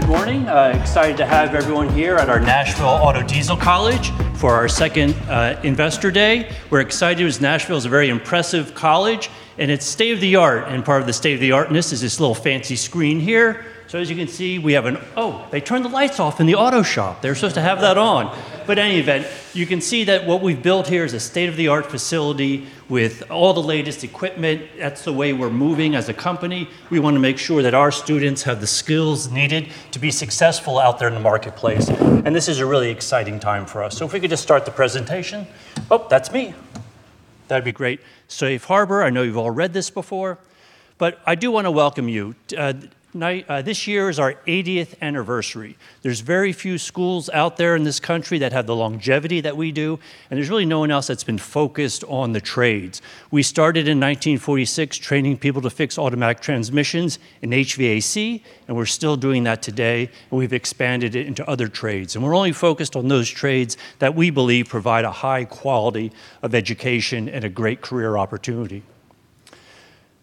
Good morning. Excited to have everyone here at our Nashville Auto Diesel College for our second investor day. We're excited because Nashville is a very impressive college, and it's state-of-the-art. Part of the state-of-the-artness is this little fancy screen here. As you can see. Oh, they turned the lights off in the auto shop. They're supposed to have that on. Anyway, you can see that what we've built here is a state-of-the-art facility with all the latest equipment. That's the way we're moving as a company. We want to make sure that our students have the skills needed to be successful out there in the marketplace. This is a really exciting time for us. If we could just start the presentation. Oh, that's me. That'd be great. Safe harbor. I know you've all read this before, but I do want to welcome you. This year is our eightieth anniversary. There's very few schools out there in this country that have the longevity that we do, and there's really no one else that's been focused on the trades. We started in 1946 training people to fix automatic transmissions and HVAC, and we're still doing that today, and we've expanded it into other trades. We're only focused on those trades that we believe provide a high quality of education and a great career opportunity.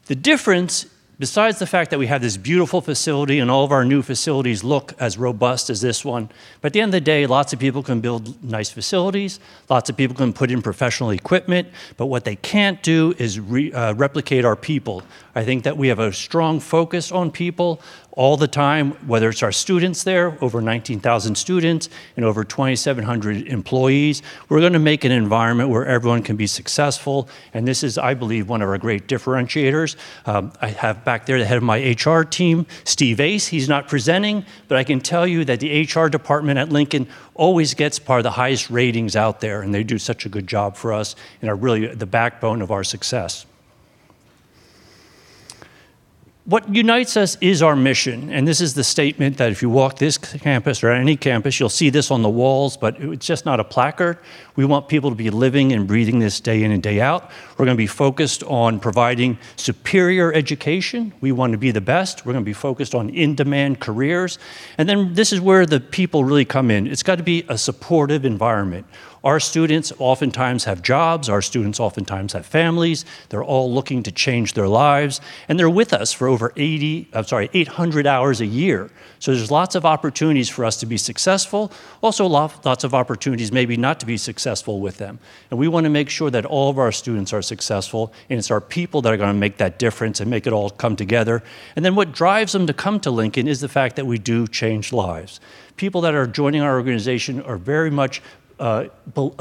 The difference, besides the fact that we have this beautiful facility and all of our new facilities look as robust as this one, but at the end of the day, lots of people can build nice facilities, lots of people can put in professional equipment, but what they can't do is replicate our people. I think that we have a strong focus on people all the time, whether it's our students there, over 19,000 students and over 2,700 employees. We're gonna make an environment where everyone can be successful, and this is, I believe, one of our great differentiators. I have back there the head of my HR team, Steve Ace. He's not presenting, but I can tell you that the HR department at Lincoln always gets probably the highest ratings out there, and they do such a good job for us and are really the backbone of our success. What unites us is our mission, and this is the statement that if you walk this campus or any campus, you'll see this on the walls, but it's just not a placard. We want people to be living and breathing this day in and day out. We're gonna be focused on providing superior education. We want to be the best. We're gonna be focused on in-demand careers. This is where the people really come in. It's got to be a supportive environment. Our students oftentimes have jobs, our students oftentimes have families. They're all looking to change their lives, and they're with us for over 800 hours a year. There's lots of opportunities for us to be successful. Also lots of opportunities maybe not to be successful with them. We wanna make sure that all of our students are successful, and it's our people that are gonna make that difference and make it all come together. Then what drives them to come to Lincoln is the fact that we do change lives. People that are joining our organization are very much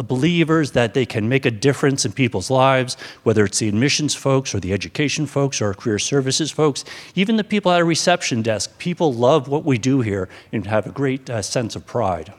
believers that they can make a difference in people's lives, whether it's the admissions folks or the education folks or our career services folks, even the people at our reception desk. People love what we do here and have a great sense of pride.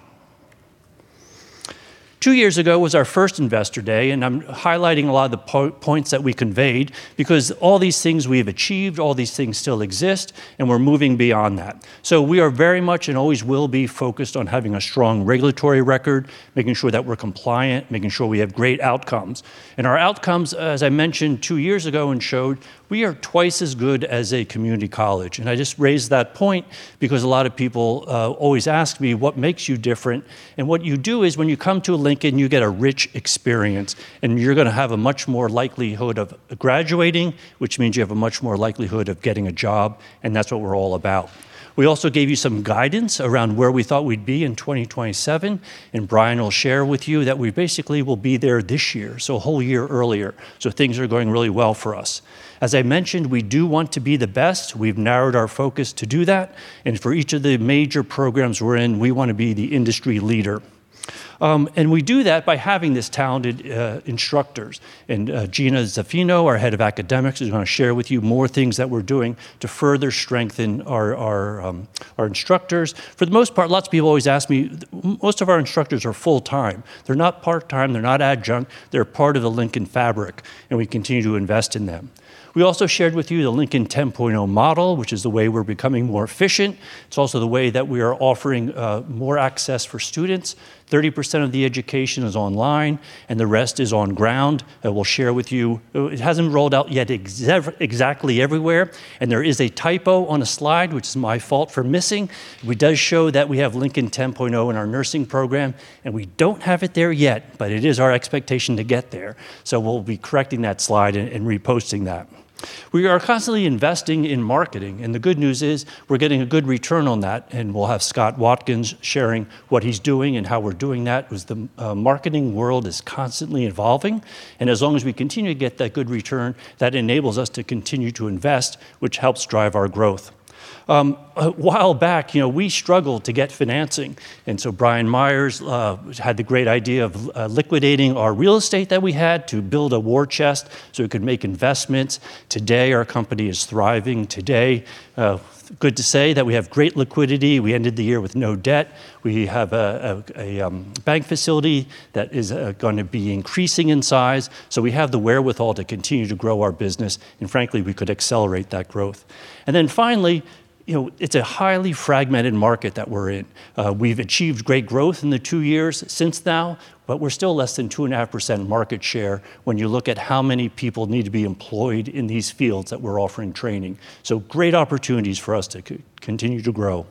Two years ago was our first Investor Day, and I'm highlighting a lot of the points that we conveyed because all these things we have achieved, all these things still exist, and we're moving beyond that. We are very much, and always will be, focused on having a strong regulatory record, making sure that we're compliant, making sure we have great outcomes. Our outcomes, as I mentioned two years ago and showed, we are twice as good as a community college. I just raise that point because a lot of people always ask me, "What makes you different?" What you do is when you come to Lincoln, you get a rich experience, and you're gonna have a much more likelihood of graduating, which means you have a much more likelihood of getting a job, and that's what we're all about. We also gave you some guidance around where we thought we'd be in 2027, and Brian will share with you that we basically will be there this year, so a whole year earlier. Things are going really well for us. As I mentioned, we do want to be the best. We've narrowed our focus to do that. For each of the major programs we're in, we wanna be the industry leader. We do that by having this talented instructors. Gina Zaffino, our Head of Academics, is gonna share with you more things that we're doing to further strengthen our instructors. For the most part, lots of people always ask me, most of our instructors are full-time. They're not part-time. They're not adjunct. They're part of the Lincoln fabric, and we continue to invest in them. We also shared with you the Lincoln 10.0 model, which is the way we're becoming more efficient. It's also the way that we are offering more access for students. 30% of the education is online, and the rest is on ground. We'll share with you it hasn't rolled out yet exactly everywhere. There is a typo on a slide, which is my fault for missing. It does show that we have Lincoln 10.0 in our nursing program, and we don't have it there yet, but it is our expectation to get there. We'll be correcting that slide and reposting that. We are constantly investing in marketing, and the good news is we're getting a good return on that, and we'll have Scott Minder sharing what he's doing and how we're doing that, because the marketing world is constantly evolving. As long as we continue to get that good return, that enables us to continue to invest, which helps drive our growth. A while back, you know, we struggled to get financing. Brian Meyers had the great idea of liquidating our real estate that we had to build a war chest so we could make investments. Today, our company is thriving. Today, good to say that we have great liquidity. We ended the year with no debt. We have a bank facility that is going to be increasing in size. We have the wherewithal to continue to grow our business, and frankly, we could accelerate that growth. Finally, you know, it's a highly fragmented market that we're in. We've achieved great growth in the two years since now, but we're still less than 2.5% market share when you look at how many people need to be employed in these fields that we're offering training. Great opportunities for us to continue to grow.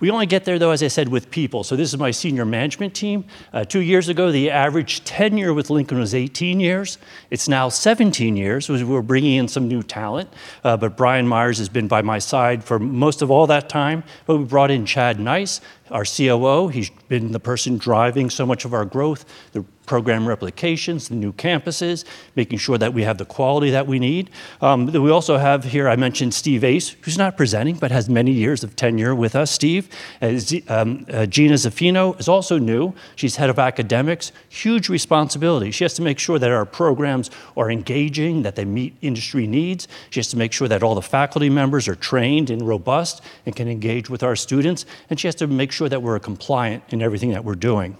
We only get there though, as I said, with people. This is my senior management team. Two years ago, the average tenure with Lincoln was 18 years. It's now 17 years. We're bringing in some new talent, but Brian Meyers has been by my side for most of all that time. We brought in Chad Nyce, our COO. He's been the person driving so much of our growth, the program replications, the new campuses, making sure that we have the quality that we need. We also have here, I mentioned Steve Ace, who's not presenting, but has many years of tenure with us. Steve. Gina Zaffino is also new. She's head of academics. Huge responsibility. She has to make sure that our programs are engaging, that they meet industry needs. She has to make sure that all the faculty members are trained and robust and can engage with our students. She has to make sure that we're compliant in everything that we're doing.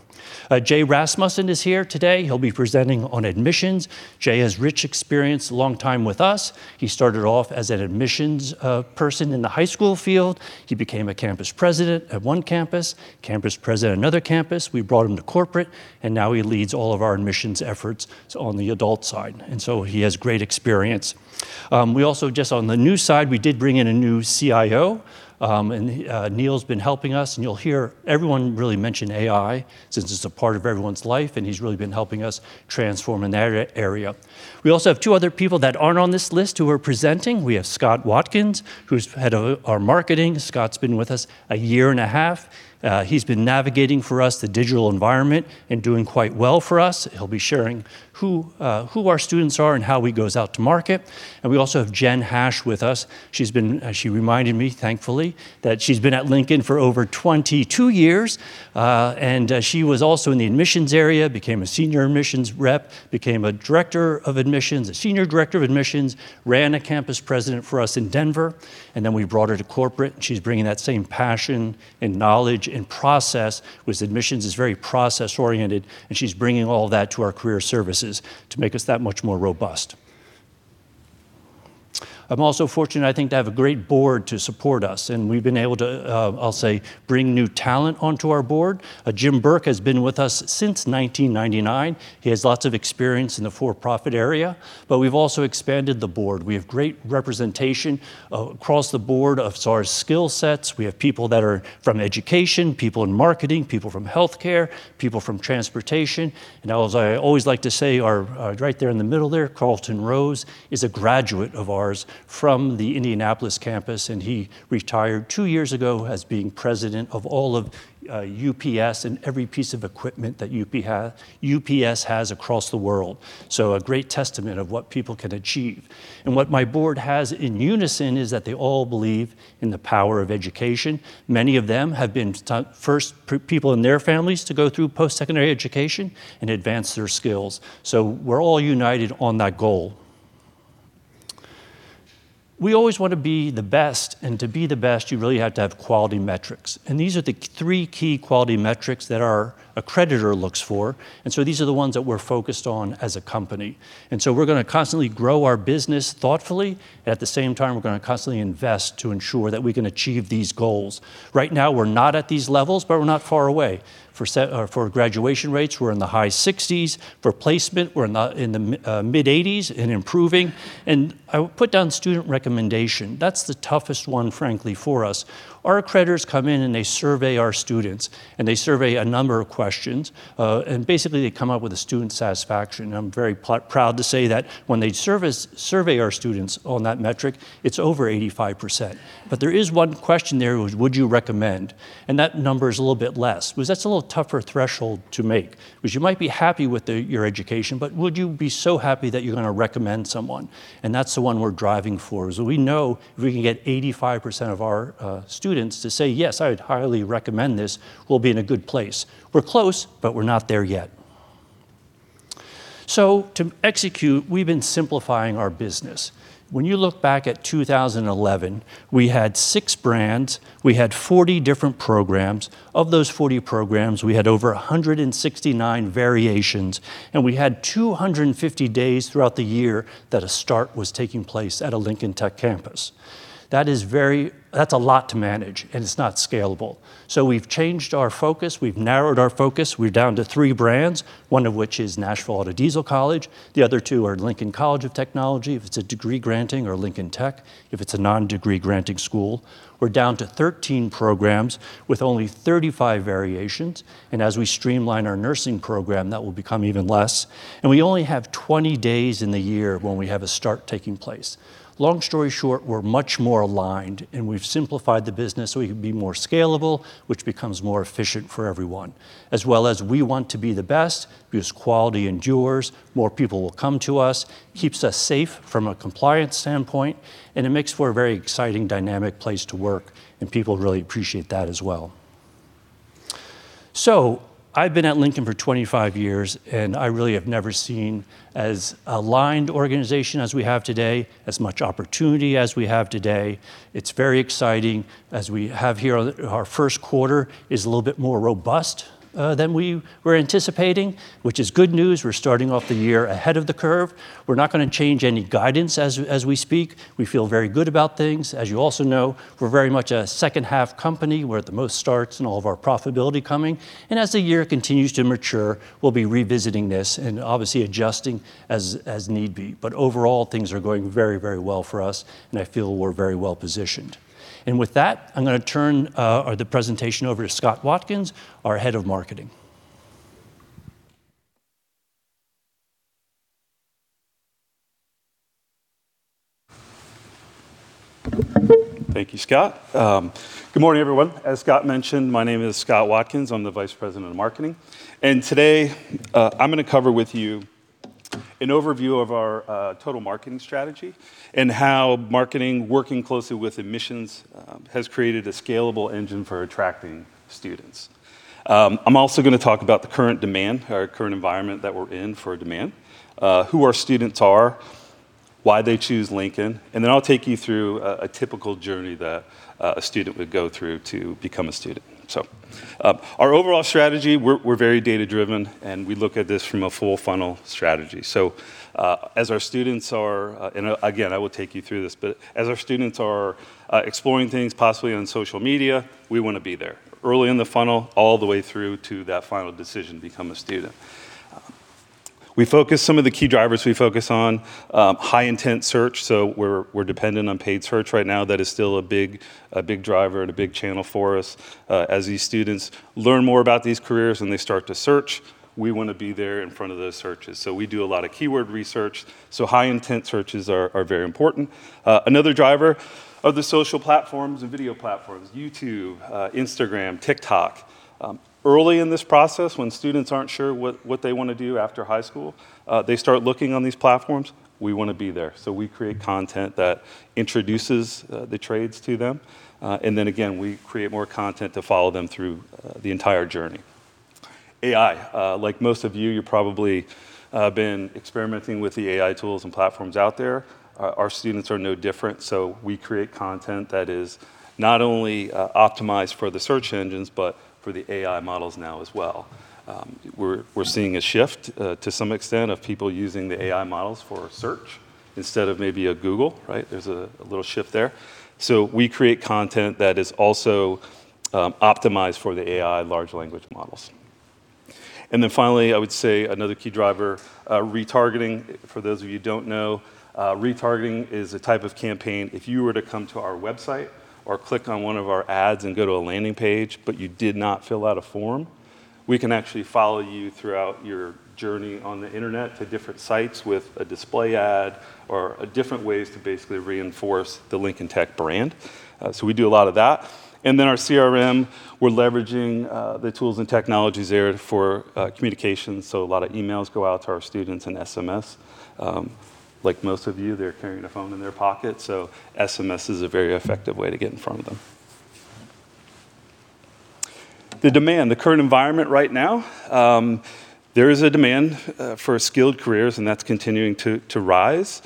Jay Rasmussen is here today. He'll be presenting on admissions. Jay has rich experience, a long time with us. He started off as an admissions person in the high school field. He became a campus president at one campus president at another campus. We brought him to corporate, and now he leads all of our admissions efforts on the adult side. He has great experience. We also just on the new side, we did bring in a new CIO, and Neal's been helping us, and you'll hear everyone really mention AI since it's a part of everyone's life, and he's really been helping us transform in that area. We also have two other people that aren't on this list who are presenting. We have Scott Minder, who's head of our marketing. Scott's been with us a year and a half. He's been navigating for us the digital environment and doing quite well for us. He'll be sharing who our students are and how he goes out to market. We also have Jennifer Hash with us. She's been, she reminded me, thankfully, that she's been at Lincoln for over 22 years. She was also in the admissions area, became a senior admissions rep, became a director of admissions, a senior director of admissions, ran as campus president for us in Denver, and then we brought her to corporate. She's bringing that same passion and knowledge and process with admissions is very process-oriented, and she's bringing all that to our career services to make us that much more robust. I'm also fortunate, I think, to have a great board to support us, and we've been able to, I'll say, bring new talent onto our board. Jim Burke has been with us since 1999. He has lots of experience in the for-profit area, but we've also expanded the board. We have great representation across the board as far as skill sets. We have people that are from education, people in marketing, people from healthcare, people from transportation. As I always like to say, right there in the middle there, Carlton Rose is a graduate of ours from the Indianapolis campus, and he retired two years ago as being president of all of UPS and every piece of equipment that UPS has across the world. A great testament of what people can achieve. What my board has in unison is that they all believe in the power of education. Many of them have been first people in their families to go through post-secondary education and advance their skills. We're all united on that goal. We always want to be the best, and to be the best, you really have to have quality metrics. These are the three key quality metrics that our accreditor looks for. These are the ones that we're focused on as a company. We're gonna constantly grow our business thoughtfully. At the same time, we're gonna constantly invest to ensure that we can achieve these goals. Right now, we're not at these levels, but we're not far away. For graduation rates, we're in the high 60s%. For placement, we're in the mid-80s% and improving. I put down student recommendation. That's the toughest one, frankly, for us. Our accreditors come in and they survey our students, and they survey a number of questions, and basically they come up with a student satisfaction. I'm very proud to say that when they survey our students on that metric, it's over 85%. There is one question there, which would you recommend? That number is a little bit less, because that's a little tougher threshold to make, because you might be happy with your education, but would you be so happy that you're gonna recommend someone? That's the one we're driving for. We know if we can get 85% of our students to say, "Yes, I would highly recommend this," we'll be in a good place. We're close, but we're not there yet. To execute, we've been simplifying our business. When you look back at 2011, we had 6 brands. We had 40 different programs. Of those 40 programs, we had over 169 variations, and we had 250 days throughout the year that a start was taking place at a Lincoln Tech campus. That's a lot to manage, and it's not scalable. We've changed our focus. We've narrowed our focus. We're down to three brands, one of which is Nashville Auto Diesel College. The other two are Lincoln College of Technology, if it's a degree-granting or Lincoln Tech, if it's a non-degree-granting school. We're down to 13 programs with only 35 variations, and as we streamline our nursing program, that will become even less. We only have 20 days in the year when we have a start taking place. Long story short, we're much more aligned, and we've simplified the business so we can be more scalable, which becomes more efficient for everyone, as well as we want to be the best because quality endures. More people will come to us, keeps us safe from a compliance standpoint, and it makes for a very exciting, dynamic place to work, and people really appreciate that as well. I've been at Lincoln for 25 years, and I really have never seen as aligned organization as we have today, as much opportunity as we have today. It's very exciting as we have here. Our Q1 is a little bit more robust than we were anticipating, which is good news. We're starting off the year ahead of the curve. We're not gonna change any guidance as we speak. We feel very good about things. As you also know, we're very much a second-half company. We're at the most starts and all of our profitability coming. As the year continues to mature, we'll be revisiting this and obviously adjusting as need be. Overall, things are going very, very well for us, and I feel we're very well positioned. With that, I'm gonna turn the presentation over to Scott Minder, our head of marketing. Thank you, Scott. Good morning, everyone. As Scott mentioned, my name is Scott Minder. I'm the Vice President of Marketing. Today, I'm gonna cover with you an overview of our total marketing strategy and how marketing working closely with admissions has created a scalable engine for attracting students. I'm also gonna talk about the current demand, our current environment that we're in for demand, who our students are, why they choose Lincoln, and then I'll take you through a typical journey that a student would go through to become a student. Our overall strategy, we're very data-driven, and we look at this from a full funnel strategy. As our students are exploring things possibly on social media, we wanna be there early in the funnel all the way through to that final decision to become a student. Some of the key drivers we focus on, high intent search, so we're dependent on paid search right now. That is still a big driver and a big channel for us. As these students learn more about these careers and they start to search, we wanna be there in front of those searches. We do a lot of keyword research, so high intent searches are very important. Another driver are the social platforms and video platforms, YouTube, Instagram, TikTok. Early in this process, when students aren't sure what they wanna do after high school, they start looking on these platforms, we wanna be there. We create content that introduces the trades to them. We create more content to follow them through the entire journey. AI. Like most of you're probably been experimenting with the AI tools and platforms out there. Our students are no different, so we create content that is not only optimized for the search engines, but for the AI models now as well. We're seeing a shift to some extent of people using the AI models for search instead of maybe Google, right? There's a little shift there. We create content that is also optimized for the AI large language models. Finally, I would say another key driver, retargeting. For those of you who don't know, retargeting is a type of campaign. If you were to come to our website or click on one of our ads and go to a landing page, but you did not fill out a form, we can actually follow you throughout your journey on the internet to different sites with a display ad or, different ways to basically reinforce the Lincoln Tech brand. So we do a lot of that. Our CRM, we're leveraging the tools and technologies there for communication, so a lot of emails go out to our students and SMS. Like most of you, they're carrying a phone in their pocket, so SMS is a very effective way to get in front of them. The demand. The current environment right now, there is a demand for skilled careers, and that's continuing to rise.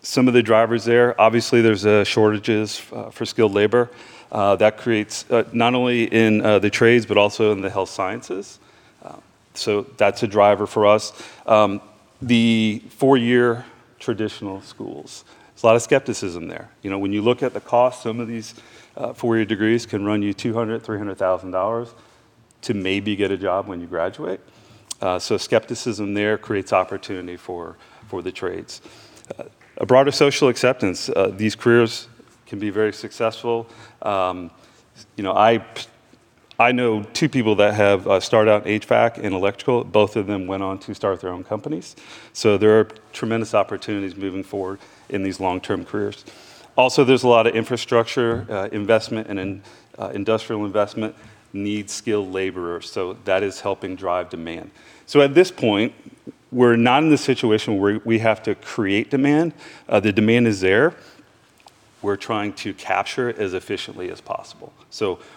Some of the drivers there, obviously, there's shortages for skilled labor that creates not only in the trades, but also in the health sciences. That's a driver for us. The four-year traditional schools, there's a lot of skepticism there. You know, when you look at the cost, some of these four-year degrees can run you $200,000-$300,000 to maybe get a job when you graduate. Skepticism there creates opportunity for the trades. A broader social acceptance, these careers can be very successful. You know, I know two people that have started out HVAC and electrical. Both of them went on to start their own companies. There are tremendous opportunities moving forward in these long-term careers. Also, there's a lot of infrastructure investment, and then industrial investment need skilled laborers, so that is helping drive demand. At this point, we're not in the situation where we have to create demand. The demand is there. We're trying to capture it as efficiently as possible.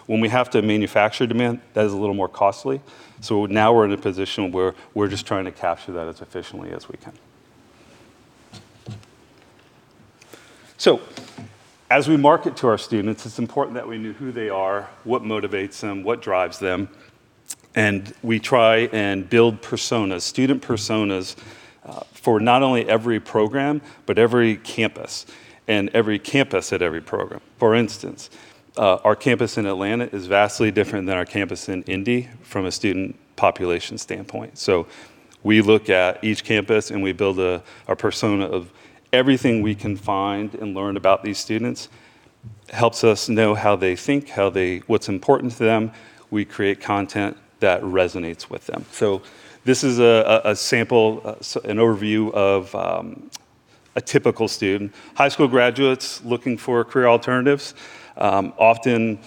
When we have to manufacture demand, that is a little more costly. Now we're in a position where we're just trying to capture that as efficiently as we can. As we market to our students, it's important that we know who they are, what motivates them, what drives them, and we try and build personas, student personas for not only every program, but every campus and every campus at every program. For instance, our campus in Atlanta is vastly different than our campus in Indy from a student population standpoint. We look at each campus, and we build a persona of everything we can find and learn about these students. Helps us know how they think, what's important to them. We create content that resonates with them. This is a sample, an overview of a typical student. High school graduates looking for career alternatives, often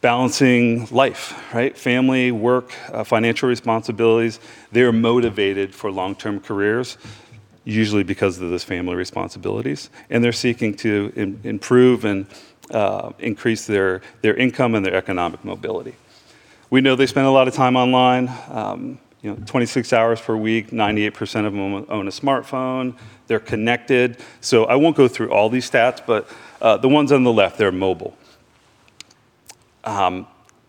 balancing life, right? Family, work, financial responsibilities. They're motivated for long-term careers, usually because of those family responsibilities, and they're seeking to improve and increase their income and their economic mobility. We know they spend a lot of time online, you know, 26 hours per week. 98% of them own a smartphone. They're connected. I won't go through all these stats, but the ones on the left, they're mobile.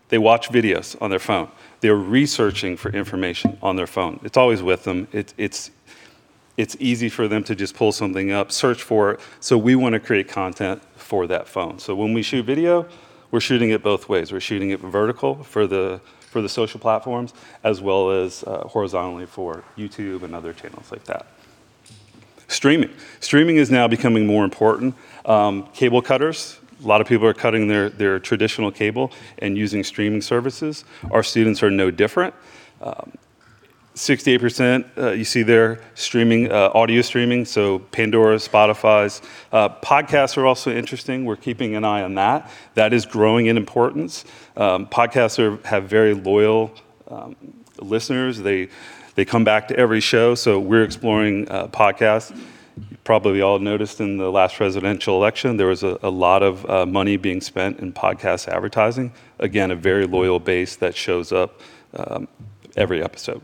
They watch videos on their phone. They're researching for information on their phone. It's always with them. It's easy for them to just pull something up, search for it, so we wanna create content for that phone. When we shoot video, we're shooting it both ways. We're shooting it vertical for the social platforms, as well as horizontally for YouTube and other channels like that. Streaming. Streaming is now becoming more important. Cable cutters, a lot of people are cutting their traditional cable and using streaming services. Our students are no different. 68%, you see there, streaming, audio streaming, so Pandora, Spotify. Podcasts are also interesting. We're keeping an eye on that. That is growing in importance. Podcasts have very loyal listeners. They come back to every show, so we're exploring podcasts. Probably all noticed in the last presidential election, there was a lot of money being spent in podcast advertising. Again, a very loyal base that shows up every episode.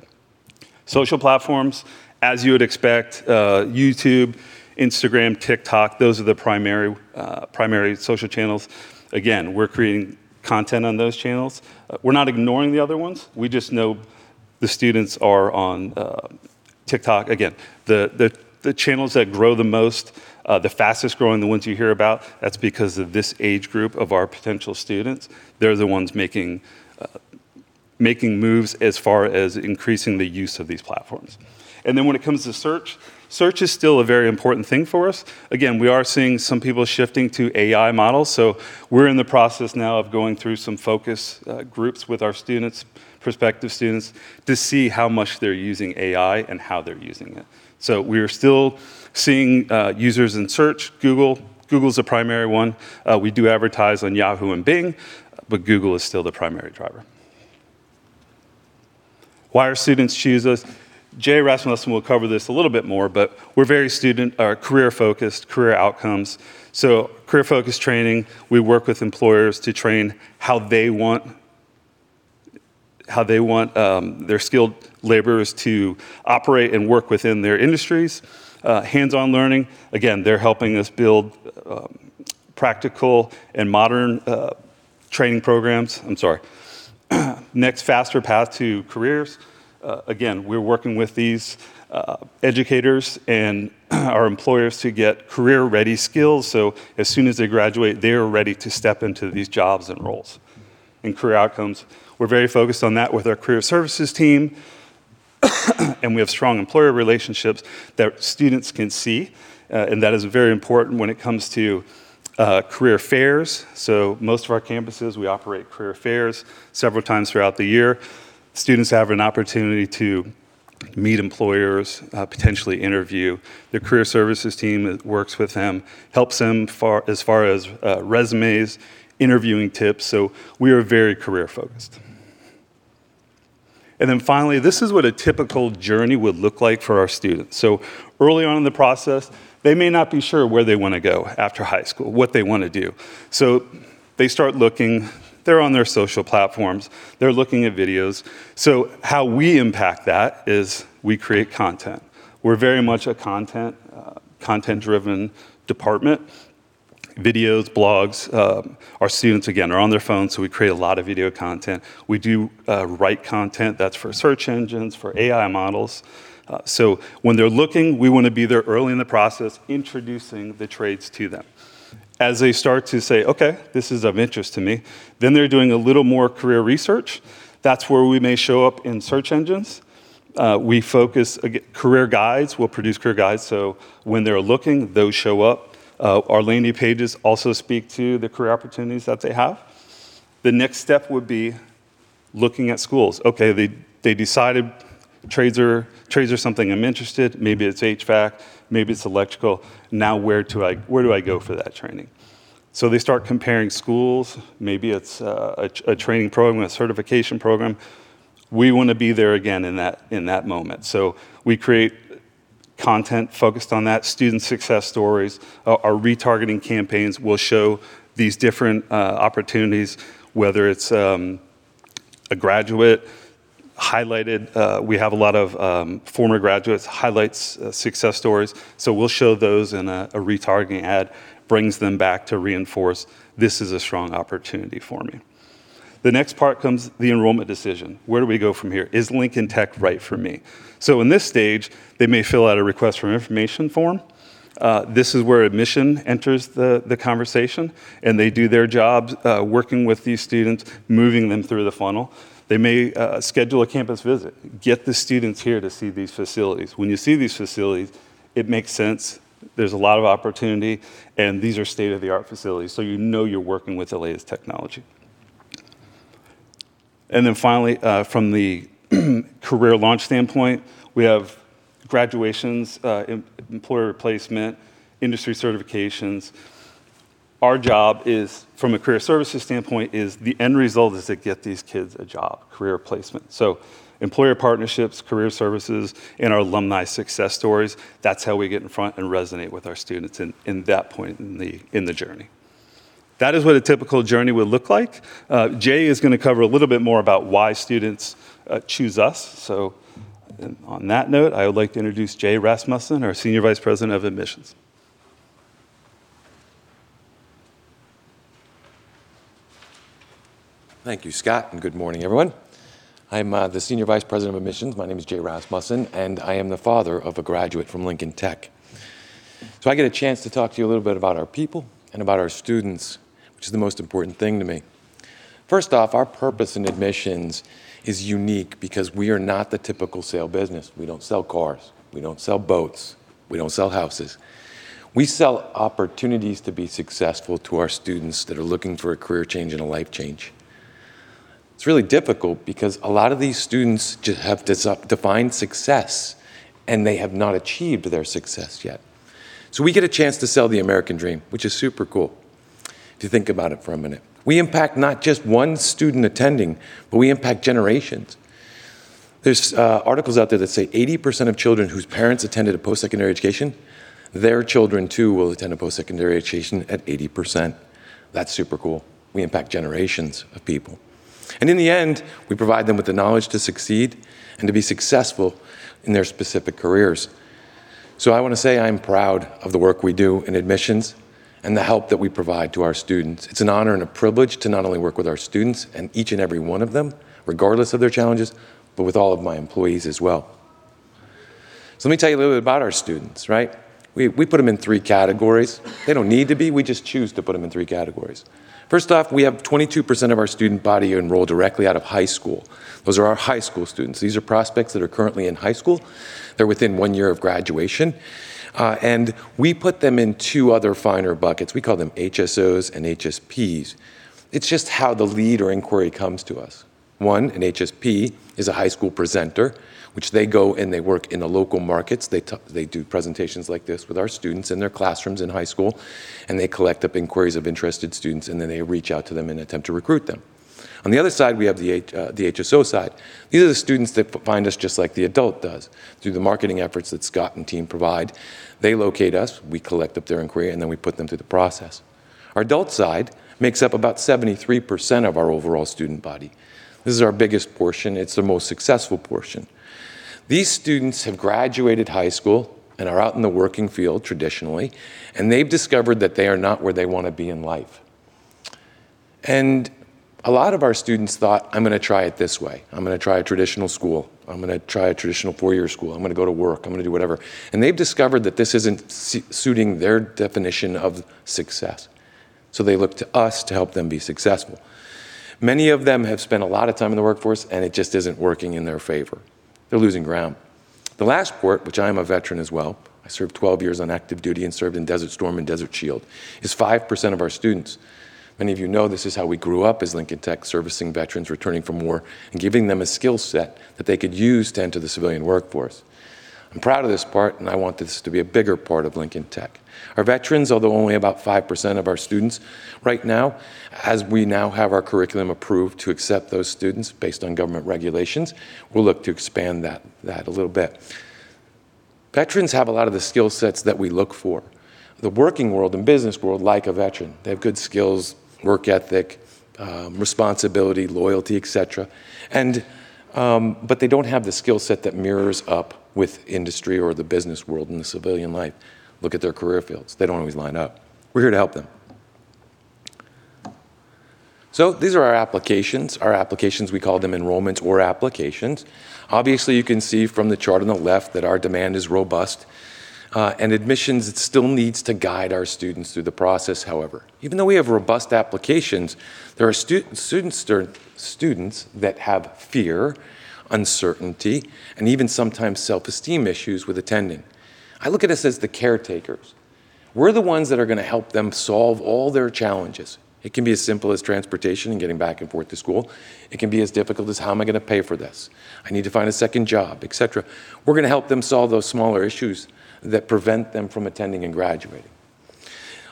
Social platforms, as you would expect, YouTube, Instagram, TikTok, those are the primary social channels. Again, we're creating content on those channels. We're not ignoring the other ones, we just know the students are on TikTok. Again, the channels that grow the most, the fastest-growing, the ones you hear about, that's because of this age group of our potential students. They're the ones making moves as far as increasing the use of these platforms. When it comes to search is still a very important thing for us. Again, we are seeing some people shifting to AI models, so we're in the process now of going through some focus groups with our students, prospective students, to see how much they're using AI and how they're using it. We're still seeing users in search. Google's the primary one. We do advertise on Yahoo and Bing, but Google is still the primary driver. Why our students choose us. Jay Rasmussen will cover this a little bit more, but we're very student- or career-focused, career outcomes. Career focus training, we work with employers to train how they want their skilled laborers to operate and work within their industries. Hands-on learning, again, they're helping us build practical and modern training programs. I'm sorry. Next, faster path to careers. Again, we're working with these educators and our employers to get career-ready skills, so as soon as they graduate, they are ready to step into these jobs and roles. Career outcomes, we're very focused on that with our career services team, and we have strong employer relationships that students can see, and that is very important when it comes to career fairs. Most of our campuses, we operate career fairs several times throughout the year. Students have an opportunity to meet employers, potentially interview. The career services team that works with them helps them as far as resumes, interviewing tips, so we are very career-focused. Then finally, this is what a typical journey would look like for our students. Early on in the process, they may not be sure where they wanna go after high school, what they wanna do. They start looking. They're on their social platforms. They're looking at videos. How we impact that is we create content. We're very much a content-driven department, videos, blogs. Our students, again, are on their phones, so we create a lot of video content. We write content. That's for search engines, for AI models. When they're looking, we wanna be there early in the process, introducing the trades to them. As they start to say, "Okay, this is of interest to me," then they're doing a little more career research. That's where we may show up in search engines. We focus, again, career guides. We'll produce career guides, so when they're looking, those show up. Our landing pages also speak to the career opportunities that they have. The next step would be looking at schools. Okay, they decided trades are something I'm interested. Maybe it's HVAC, maybe it's electrical. Now where do I go for that training? They start comparing schools. Maybe it's a training program, a certification program. We wanna be there, again, in that moment. We create content focused on that, student success stories. Our retargeting campaigns will show these different opportunities, whether it's a graduate highlighted. We have a lot of former graduates, highlights, success stories. We'll show those in a retargeting ad, brings them back to reinforce this is a strong opportunity for me. The next part comes the enrollment decision. Where do we go from here? Is Lincoln Tech right for me? In this stage, they may fill out a request for information form. This is where admission enters the conversation, and they do their jobs, working with these students, moving them through the funnel. They may schedule a campus visit, get the students here to see these facilities. When you see these facilities, it makes sense. There's a lot of opportunity, and these are state-of-the-art facilities, so you know you're working with the latest technology. Then finally, from the career launch standpoint, we have graduations, employer placement, industry certifications. Our job, from a career services standpoint, is the end result to get these kids a job, career placement. Employer partnerships, career services, and our alumni success stories, that's how we get in front and resonate with our students in that point in the journey. That is what a typical journey would look like. Jay is gonna cover a little bit more about why students choose us. On that note, I would like to introduce Jay Rasmussen, our Senior Vice President of Admissions. Thank you, Scott, and good morning, everyone. I'm the Senior Vice President of Admissions. My name is Jay Rasmussen, and I am the father of a graduate from Lincoln Tech. I get a chance to talk to you a little bit about our people and about our students, which is the most important thing to me. First off, our purpose in admissions is unique because we are not the typical sale business. We don't sell cars, we don't sell boats, we don't sell houses. We sell opportunities to be successful to our students that are looking for a career change and a life change. It's really difficult because a lot of these students have defined success, and they have not achieved their success yet. We get a chance to sell the American dream, which is super cool to think about it for a minute. We impact not just one student attending, but we impact generations. There's articles out there that say 80% of children whose parents attended a post-secondary education, their children too will attend a post-secondary education at 80%. That's super cool. We impact generations of people. In the end, we provide them with the knowledge to succeed and to be successful in their specific careers. I want to say I'm proud of the work we do in admissions and the help that we provide to our students. It's an honor and a privilege to not only work with our students and each and every one of them, regardless of their challenges, but with all of my employees as well. Let me tell you a little bit about our students, right? We put them in three categories. They don't need to be, we just choose to put them in three categories. First off, we have 22% of our student body who enroll directly out of high school. Those are our high school students. These are prospects that are currently in high school. They're within one year of graduation, and we put them in two other finer buckets. We call them HSOs and HSPs. It's just how the lead or inquiry comes to us. One, an HSP, is a high school presenter, which they go and they work in the local markets. They do presentations like this with our students in their classrooms in high school, and they collect up inquiries of interested students, and then they reach out to them and attempt to recruit them. On the other side, we have the HSO side. These are the students that find us just like the adult does through the marketing efforts that Scott and team provide. They locate us, we collect up their inquiry, and then we put them through the process. Our adult side makes up about 73% of our overall student body. This is our biggest portion. It's the most successful portion. These students have graduated high school and are out in the working field traditionally, and they've discovered that they are not where they want to be in life. A lot of our students thought, "I'm going to try it this way. I'm going to try a traditional school. I'm going to try a traditional four-year school. I'm going to go to work. I'm going to do whatever." They've discovered that this isn't suiting their definition of success. They look to us to help them be successful. Many of them have spent a lot of time in the workforce, and it just isn't working in their favor. They're losing ground. The last part, which I am a veteran as well, I served 12 years on active duty and served in Desert Storm and Desert Shield, is 5% of our students. Many of you know this is how we grew up as Lincoln Tech, servicing veterans returning from war and giving them a skill set that they could use to enter the civilian workforce. I'm proud of this part, and I want this to be a bigger part of Lincoln Tech. Our veterans, although only about 5% of our students right now, as we now have our curriculum approved to accept those students based on government regulations, we'll look to expand that a little bit. Veterans have a lot of the skill sets that we look for. The working world and business world like a veteran. They have good skills, work ethic, responsibility, loyalty, et cetera. They don't have the skill set that mirrors up with industry or the business world in the civilian life. Look at their career fields. They don't always line up. We're here to help them. These are our applications. Our applications, we call them enrollments or applications. Obviously, you can see from the chart on the left that our demand is robust, and admissions, it still needs to guide our students through the process, however. Even though we have robust applications, there are students that have fear, uncertainty, and even sometimes self-esteem issues with attending. I look at us as the caretakers. We're the ones that are going to help them solve all their challenges. It can be as simple as transportation and getting back and forth to school. It can be as difficult as, "How am I going to pay for this? I need to find a second job," et cetera. We're going to help them solve those smaller issues that prevent them from attending and graduating.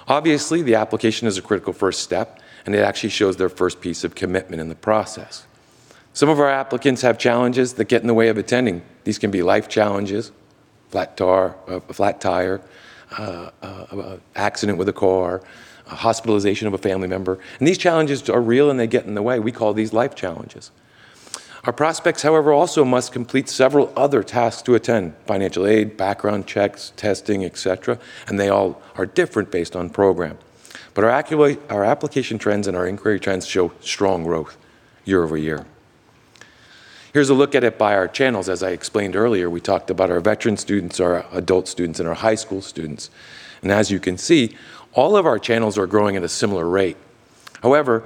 Obviously, the application is a critical first step, and it actually shows their first piece of commitment in the process. Some of our applicants have challenges that get in the way of attending. These can be life challenges, a flat tire, an accident with a car, a hospitalization of a family member. These challenges are real, and they get in the way. We call these life challenges. Our prospects, however, also must complete several other tasks to attend, financial aid, background checks, testing, et cetera, and they all are different based on program. Our application trends and our inquiry trends show strong growth year-over-year. Here's a look at it by our channels. As I explained earlier, we talked about our veteran students, our adult students, and our high school students. As you can see, all of our channels are growing at a similar rate. However,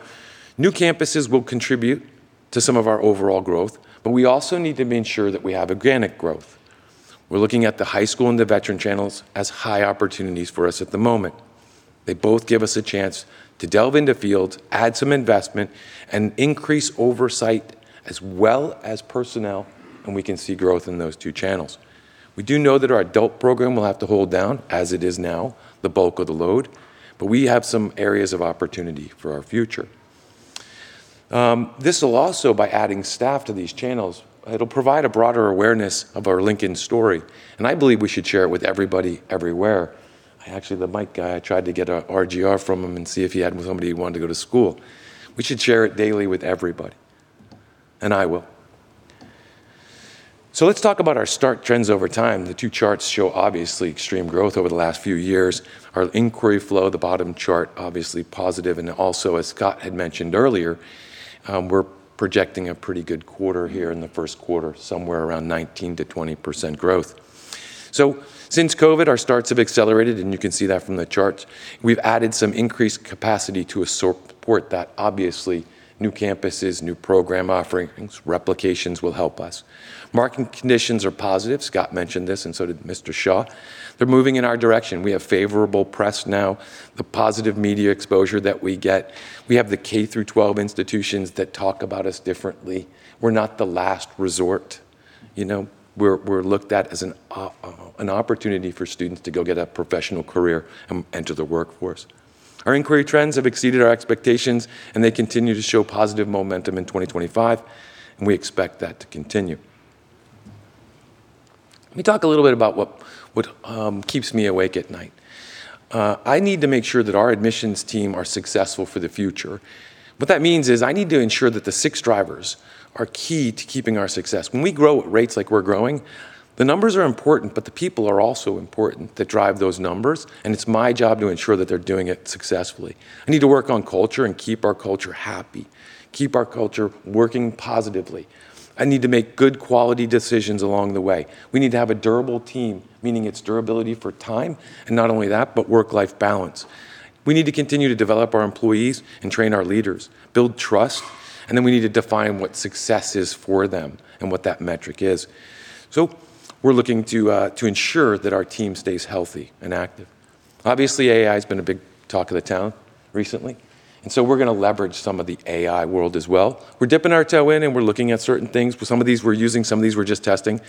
new campuses will contribute to some of our overall growth, but we also need to ensure that we have organic growth. We're looking at the high school and the veteran channels as high opportunities for us at the moment. They both give us a chance to delve into fields, add some investment, and increase oversight as well as personnel, and we can see growth in those two channels. We do know that our adult program will have to hold down, as it is now, the bulk of the load, but we have some areas of opportunity for our future. This will also, by adding staff to these channels, it'll provide a broader awareness of our Lincoln story, and I believe we should share it with everybody everywhere. Actually, the mic guy, I tried to get a RGR from him and see if he had somebody who wanted to go to school. We should share it daily with everybody, and I will. Let's talk about our start trends over time. The two charts show obviously extreme growth over the last few years. Our inquiry flow, the bottom chart, obviously positive, and also, as Scott had mentioned earlier, we're projecting a pretty good quarter here in the Q1, somewhere around 19%-20% growth. Since COVID, our starts have accelerated, and you can see that from the charts. We've added some increased capacity to support that. Obviously, new campuses, new program offerings, replications will help us. Market conditions are positive. Scott mentioned this, and so did Mr. Shaw. They're moving in our direction. We have favorable press now, the positive media exposure that we get. We have the K through twelve institutions that talk about us differently. We're not the last resort. You know, we're looked at as an opportunity for students to go get a professional career and enter the workforce. Our inquiry trends have exceeded our expectations, and they continue to show positive momentum in 2025, and we expect that to continue. Let me talk a little bit about what keeps me awake at night. I need to make sure that our admissions team are successful for the future. What that means is I need to ensure that the six drivers are key to keeping our success. When we grow at rates like we're growing, the numbers are important, but the people are also important that drive those numbers, and it's my job to ensure that they're doing it successfully. I need to work on culture and keep our culture happy, keep our culture working positively. I need to make good quality decisions along the way. We need to have a durable team, meaning it's durability for time, and not only that, but work-life balance. We need to continue to develop our employees and train our leaders, build trust, and then we need to define what success is for them and what that metric is. We're looking to ensure that our team stays healthy and active. Obviously, AI has been a big talk of the town recently, and so we're gonna leverage some of the AI world as well. We're dipping our toe in, and we're looking at certain things. Some of these we're using, some of these we're just testing.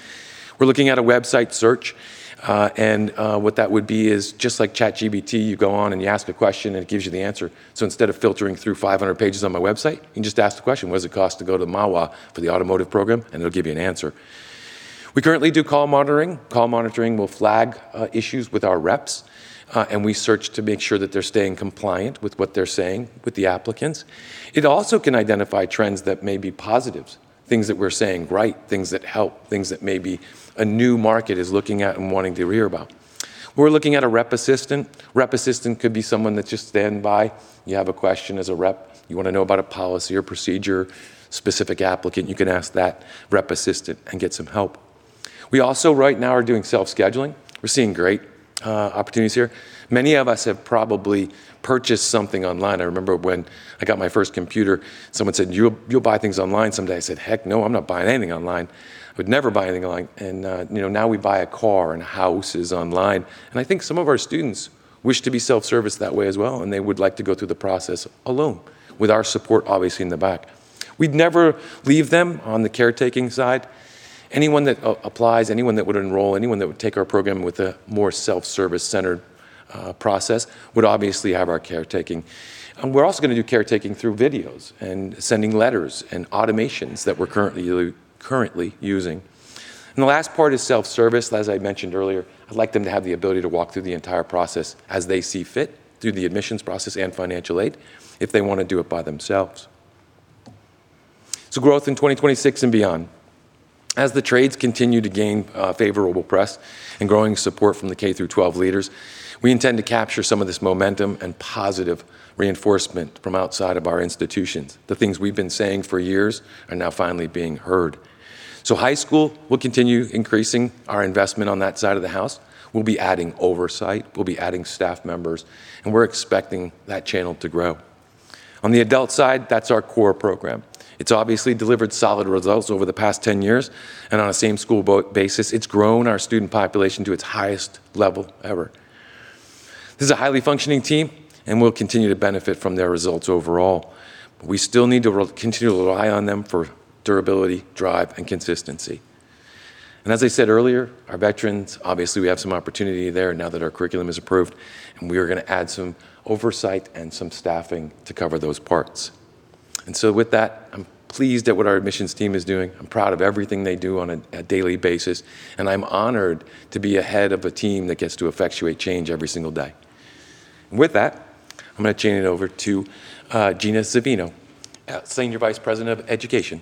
We're looking at a website search, and what that would be is just like ChatGPT, you go on and you ask a question, and it gives you the answer. Instead of filtering through 500 pages on my website, you can just ask the question, "What does it cost to go to Mahwah for the automotive program?" It'll give you an answer. We currently do call monitoring. Call monitoring will flag issues with our reps, and we search to make sure that they're staying compliant with what they're saying with the applicants. It also can identify trends that may be positives, things that we're saying right, things that help, things that maybe a new market is looking at and wanting to hear about. We're looking at a rep assistant. Rep assistant could be someone that's just standby. You have a question as a rep, you wanna know about a policy or procedure, specific applicant, you can ask that rep assistant and get some help. We also right now are doing self-scheduling. We're seeing great opportunities here. Many of us have probably purchased something online. I remember when I got my first computer, someone said, "You'll buy things online someday." I said, "Heck no, I'm not buying anything online. I would never buy anything online." You know, now we buy a car and houses online. I think some of our students wish to be self-serviced that way as well, and they would like to go through the process alone with our support, obviously, in the back. We'd never leave them on the caretaking side. Anyone that applies, anyone that would enroll, anyone that would take our program with a more self-service centered process would obviously have our caretaking. We're also gonna do caretaking through videos and sending letters and automations that we're currently using. The last part is self-service. As I mentioned earlier, I'd like them to have the ability to walk through the entire process as they see fit through the admissions process and financial aid if they wanna do it by themselves. Growth in 2026 and beyond. As the trades continue to gain favorable press and growing support from the K through twelve leaders, we intend to capture some of this momentum and positive reinforcement from outside of our institutions. The things we've been saying for years are now finally being heard. High school, we'll continue increasing our investment on that side of the house. We'll be adding oversight. We'll be adding staff members, and we're expecting that channel to grow. On the adult side, that's our core program. It's obviously delivered solid results over the past 10 years, and on a same-school basis, it's grown our student population to its highest level ever. This is a highly functioning team, and we'll continue to benefit from their results overall. We still need to continue to rely on them for durability, drive, and consistency. As I said earlier, our veterans, obviously, we have some opportunity there now that our curriculum is approved, and we are gonna add some oversight and some staffing to cover those parts. With that, I'm pleased at what our admissions team is doing. I'm proud of everything they do on a daily basis, and I'm honored to be a head of a team that gets to effectuate change every single day. With that, I'm gonna turn it over to Gina Zaffino, Senior Vice President of Education.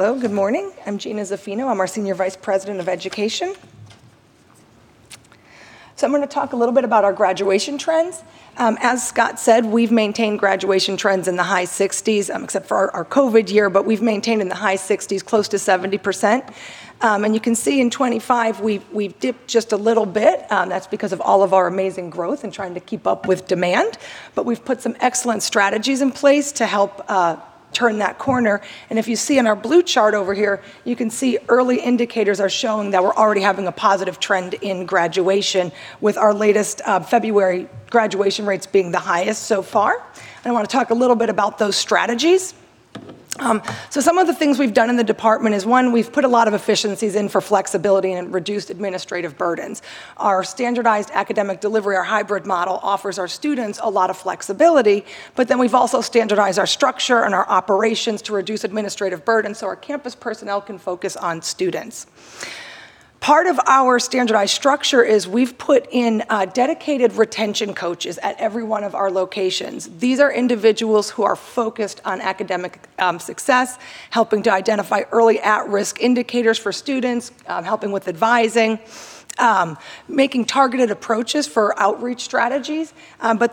Hello, good morning. I'm Gina Zaffino. I'm our Senior Vice President of Education. I'm gonna talk a little bit about our graduation trends. As Scott said, we've maintained graduation trends in the high sixties, except for our COVID year, but we've maintained in the high sixties, close to 70%. You can see in 2025, we've dipped just a little bit. That's because of all of our amazing growth and trying to keep up with demand. We've put some excellent strategies in place to help turn that corner. If you see in our blue chart over here, you can see early indicators are showing that we're already having a positive trend in graduation with our latest February graduation rates being the highest so far. I wanna talk a little bit about those strategies. Some of the things we've done in the department is, one, we've put a lot of efficiencies in for flexibility and reduced administrative burdens. Our standardized academic delivery, our hybrid model, offers our students a lot of flexibility, but we've also standardized our structure and our operations to reduce administrative burden so our campus personnel can focus on students. Part of our standardized structure is we've put in dedicated retention coaches at every one of our locations. These are individuals who are focused on academic success, helping to identify early at-risk indicators for students, helping with advising, making targeted approaches for outreach strategies.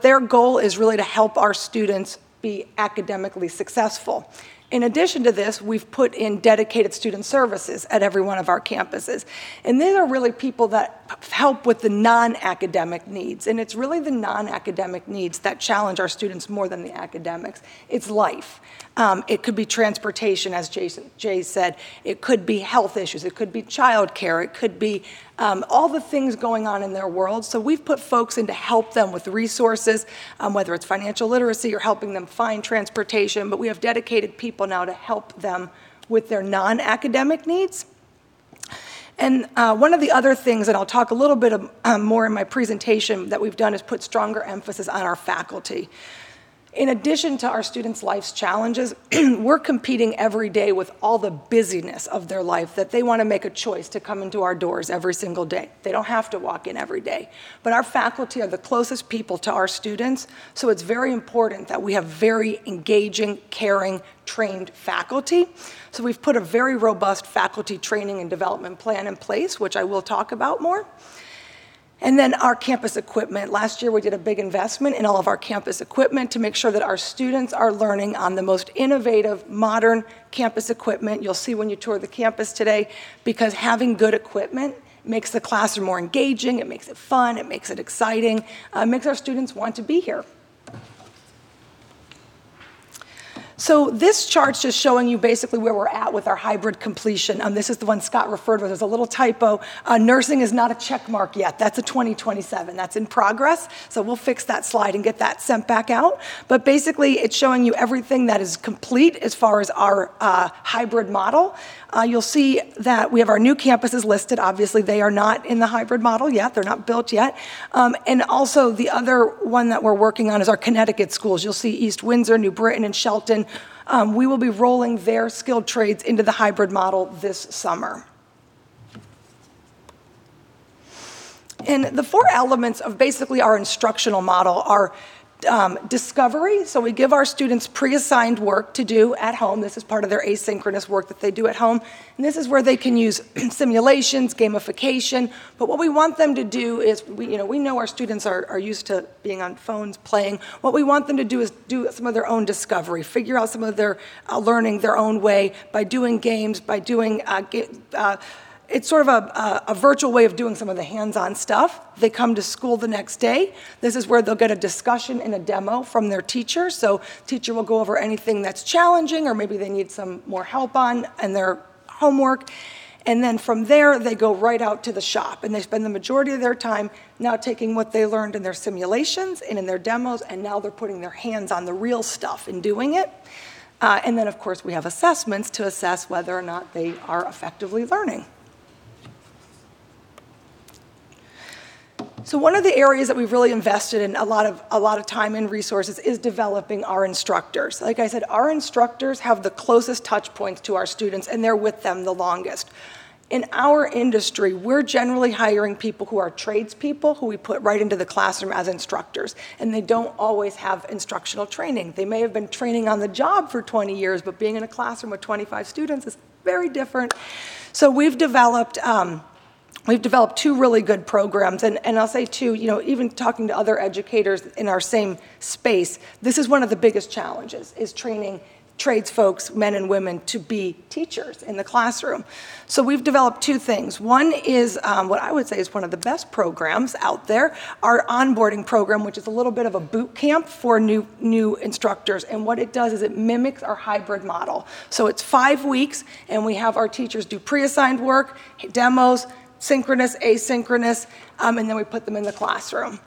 Their goal is really to help our students be academically successful. In addition to this, we've put in dedicated student services at every one of our campuses, and these are really people that help with the non-academic needs, and it's really the non-academic needs that challenge our students more than the academics. It's life. It could be transportation, as Jay said. It could be health issues. It could be childcare. It could be all the things going on in their world. So we've put folks in to help them with resources, whether it's financial literacy or helping them find transportation, but we have dedicated people now to help them with their non-academic needs. One of the other things, and I'll talk a little bit more in my presentation, that we've done is put stronger emphasis on our faculty. In addition to our students' life's challenges, we're competing every day with all the busyness of their life that they wanna make a choice to come into our doors every single day. They don't have to walk in every day. Our faculty are the closest people to our students, so it's very important that we have very engaging, caring, trained faculty. We've put a very robust faculty training and development plan in place, which I will talk about more. Our campus equipment. Last year, we did a big investment in all of our campus equipment to make sure that our students are learning on the most innovative, modern campus equipment. You'll see when you tour the campus today, because having good equipment makes the classroom more engaging. It makes it fun. It makes it exciting. It makes our students want to be here. This chart's just showing you basically where we're at with our hybrid completion. This is the one Scott referred with. There's a little typo. Nursing is not a check mark yet. That's a 2027. That's in progress, so we'll fix that slide and get that sent back out. Basically, it's showing you everything that is complete as far as our hybrid model. You'll see that we have our new campuses listed. Obviously, they are not in the hybrid model yet. They're not built yet. Also the other one that we're working on is our Connecticut schools. You'll see East Windsor, New Britain, and Shelton. We will be rolling their skilled trades into the hybrid model this summer. The four elements of basically our instructional model are discovery. We give our students pre-assigned work to do at home. This is part of their asynchronous work that they do at home, and this is where they can use simulations, gamification. What we want them to do is we, you know, we know our students are used to being on phones playing. What we want them to do is do some of their own discovery, figure out some of their learning their own way by doing games. It's sort of a virtual way of doing some of the hands-on stuff. They come to school the next day. This is where they'll get a discussion and a demo from their teacher. Teacher will go over anything that's challenging or maybe they need some more help on in their homework. From there, they go right out to the shop, and they spend the majority of their time now taking what they learned in their simulations and in their demos, and now they're putting their hands on the real stuff and doing it. Then, of course, we have assessments to assess whether or not they are effectively learning. One of the areas that we've really invested in a lot of time and resources is developing our instructors. Like I said, our instructors have the closest touchpoints to our students, and they're with them the longest. In our industry, we're generally hiring people who are tradespeople, who we put right into the classroom as instructors, and they don't always have instructional training. They may have been training on the job for 20 years, but being in a classroom with 25 students is very different. We've developed two really good programs. I'll say too, you know, even talking to other educators in our same space, this is one of the biggest challenges, is training trades folks, men and women, to be teachers in the classroom. We've developed two things. One is what I would say is one of the best programs out there, our onboarding program, which is a little bit of a boot camp for new instructors. What it does is it mimics our hybrid model. It's five weeks, and we have our teachers do pre-assigned work, demos, synchronous, asynchronous, and then we put them in the classroom.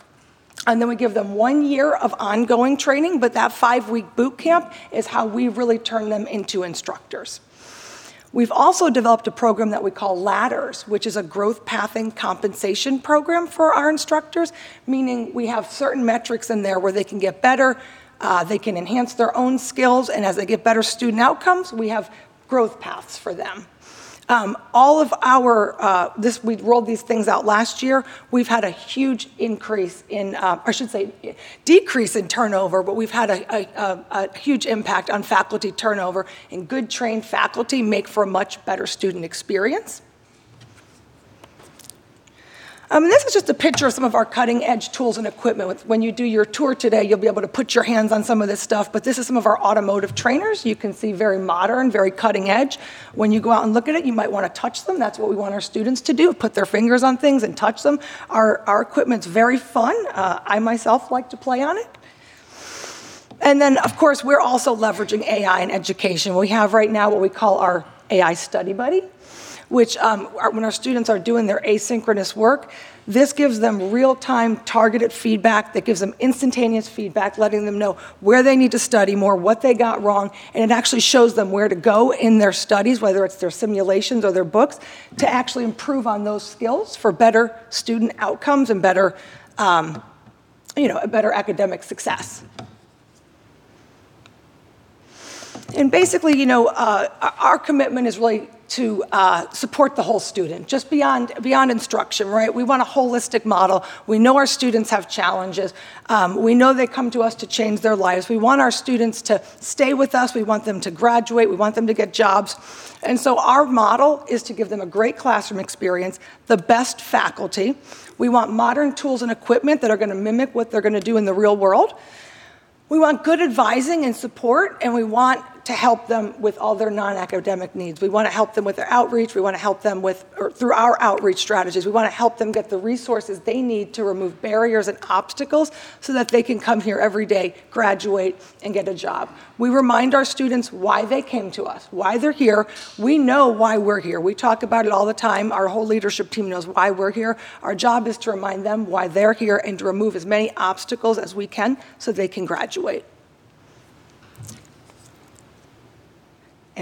We give them one year of ongoing training, but that five-week boot camp is how we really turn them into instructors. We've also developed a program that we call Ladders, which is a growth path and compensation program for our instructors, meaning we have certain metrics in there where they can get better, they can enhance their own skills, and as they get better student outcomes, we have growth paths for them. We rolled these things out last year. We've had a huge increase in, or I should say decrease in turnover, but we've had a huge impact on faculty turnover, and good trained faculty make for a much better student experience. This is just a picture of some of our cutting-edge tools and equipment. When you do your tour today, you'll be able to put your hands on some of this stuff, but this is some of our automotive trainers. You can see very modern, very cutting edge. When you go out and look at it, you might wanna touch them. That's what we want our students to do, put their fingers on things and touch them. Our equipment's very fun. I myself like to play on it. Of course, we're also leveraging AI in education. We have right now what we call our AI Study Buddy, which, when our students are doing their asynchronous work, this gives them real-time targeted feedback that gives them instantaneous feedback, letting them know where they need to study more, what they got wrong, and it actually shows them where to go in their studies, whether it's their simulations or their books, to actually improve on those skills for better student outcomes and better, you know, a better academic success. Basically, you know, our commitment is really to support the whole student, just beyond instruction, right? We want a holistic model. We know our students have challenges. We know they come to us to change their lives. We want our students to stay with us. We want them to graduate. We want them to get jobs. Our model is to give them a great classroom experience, the best faculty. We want modern tools and equipment that are gonna mimic what they're gonna do in the real world. We want good advising and support, and we want to help them with all their non-academic needs. We wanna help them with their outreach or through our outreach strategies. We wanna help them get the resources they need to remove barriers and obstacles so that they can come here every day, graduate, and get a job. We remind our students why they came to us, why they're here. We know why we're here. We talk about it all the time. Our whole leadership team knows why we're here. Our job is to remind them why they're here and to remove as many obstacles as we can so they can graduate.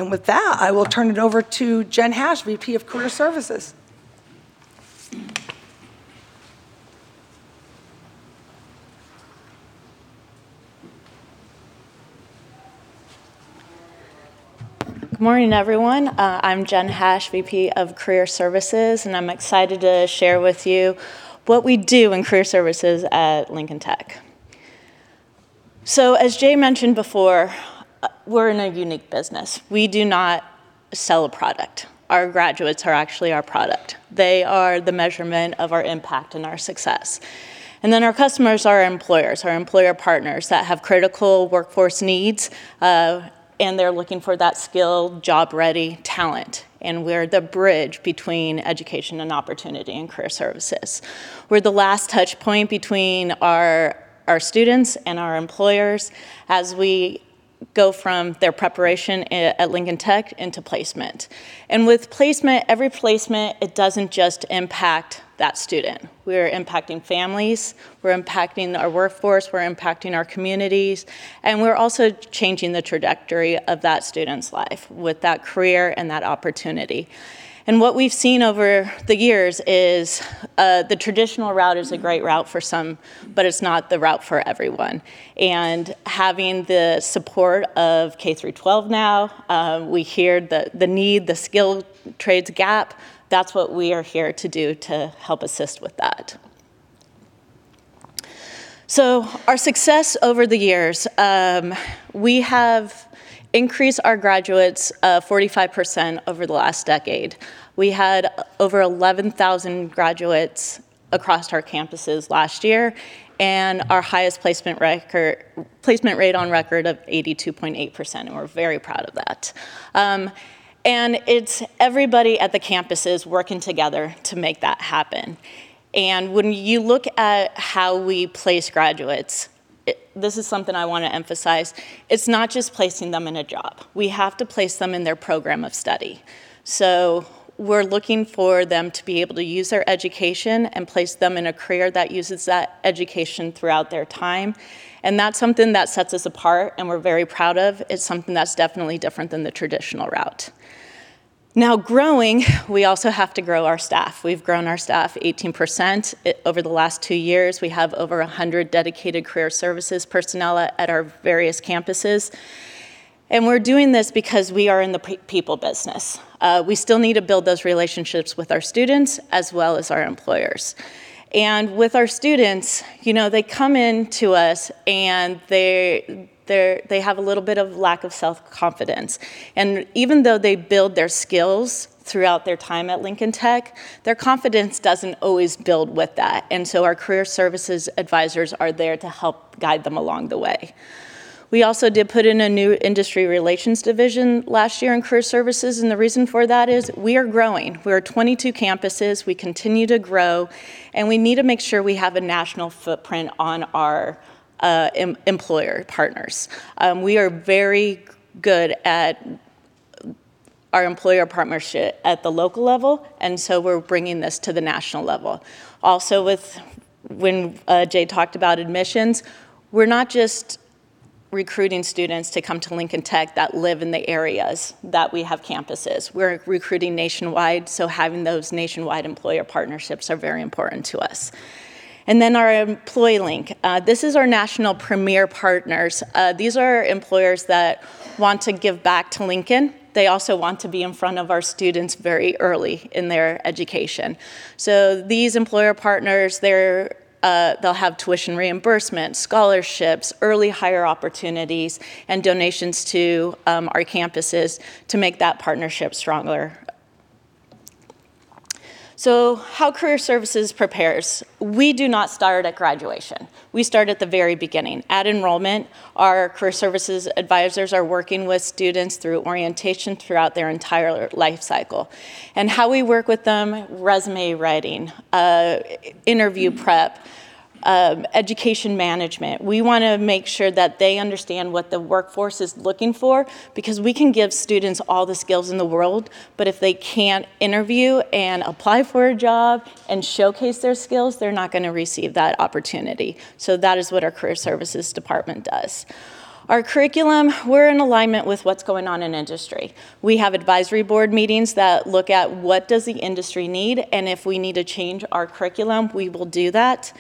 With that, I will turn it over to Jennifer Hash, VP of Career Services. Good morning, everyone. I'm Jenn Hash, VP of Career Services, and I'm excited to share with you what we do in Career Services at Lincoln Tech. As Jay mentioned before, we're in a unique business. We do not sell a product. Our graduates are actually our product. They are the measurement of our impact and our success. Our customers are our employers, our employer partners that have critical workforce needs, and they're looking for that skilled, job-ready talent, and we're the bridge between education and opportunity in Career Services. We're the last touchpoint between our students and our employers as we go from their preparation at Lincoln Tech into placement. With placement, every placement, it doesn't just impact that student. We're impacting families, we're impacting our workforce, we're impacting our communities, and we're also changing the trajectory of that student's life with that career and that opportunity. What we've seen over the years is, the traditional route is a great route for some, but it's not the route for everyone. Having the support of K through 12 now, we hear the need, the skilled trades gap, that's what we are here to do to help assist with that. Our success over the years. We have increased our graduates, 45% over the last decade. We had over 11,000 graduates across our campuses last year, and our highest placement rate on record of 82.8%, and we're very proud of that. It's everybody at the campuses working together to make that happen. When you look at how we place graduates, this is something I wanna emphasize. It's not just placing them in a job. We have to place them in their program of study. We're looking for them to be able to use their education and place them in a career that uses that education throughout their time, and that's something that sets us apart and we're very proud of. It's something that's definitely different than the traditional route. Now growing, we also have to grow our staff. We've grown our staff 18% over the last two years. We have over 100 dedicated career services personnel at our various campuses, and we're doing this because we are in the people business. We still need to build those relationships with our students as well as our employers. With our students, you know, they come into us, and they have a little bit of lack of self-confidence. Even though they build their skills throughout their time at Lincoln Tech, their confidence doesn't always build with that. Our career services advisors are there to help guide them along the way. We also did put in a new industry relations division last year in Career Services, and the reason for that is we are growing. We are 22 campuses. We continue to grow, and we need to make sure we have a national footprint on our employer partners. We are very good at our employer partnership at the local level, and so we're bringing this to the national level. Also, When Jay talked about admissions, we're not just recruiting students to come to Lincoln Tech that live in the areas that we have campuses. We're recruiting nationwide, so having those nationwide employer partnerships are very important to us. Our Employer Link. This is our national premier partners. These are employers that want to give back to Lincoln. They also want to be in front of our students very early in their education. These employer partners, they'll have tuition reimbursement, scholarships, early hire opportunities, and donations to our campuses to make that partnership stronger. How Career Services prepares. We do not start at graduation. We start at the very beginning. At enrollment, our career services advisors are working with students through orientation throughout their entire life cycle. How we work with them, resume writing, interview prep, education management. We wanna make sure that they understand what the workforce is looking for because we can give students all the skills in the world, but if they can't interview and apply for a job and showcase their skills, they're not gonna receive that opportunity. That is what our Career Services department does. Our curriculum, we're in alignment with what's going on in industry. We have advisory board meetings that look at what does the industry need, and if we need to change our curriculum, we will do that.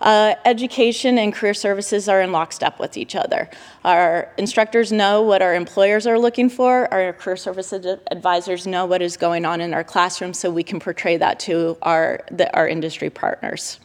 Education and career services are in lockstep with each other. Our instructors know what our employers are looking for. Our career service advisors know what is going on in our classrooms, so we can portray that to our industry partners.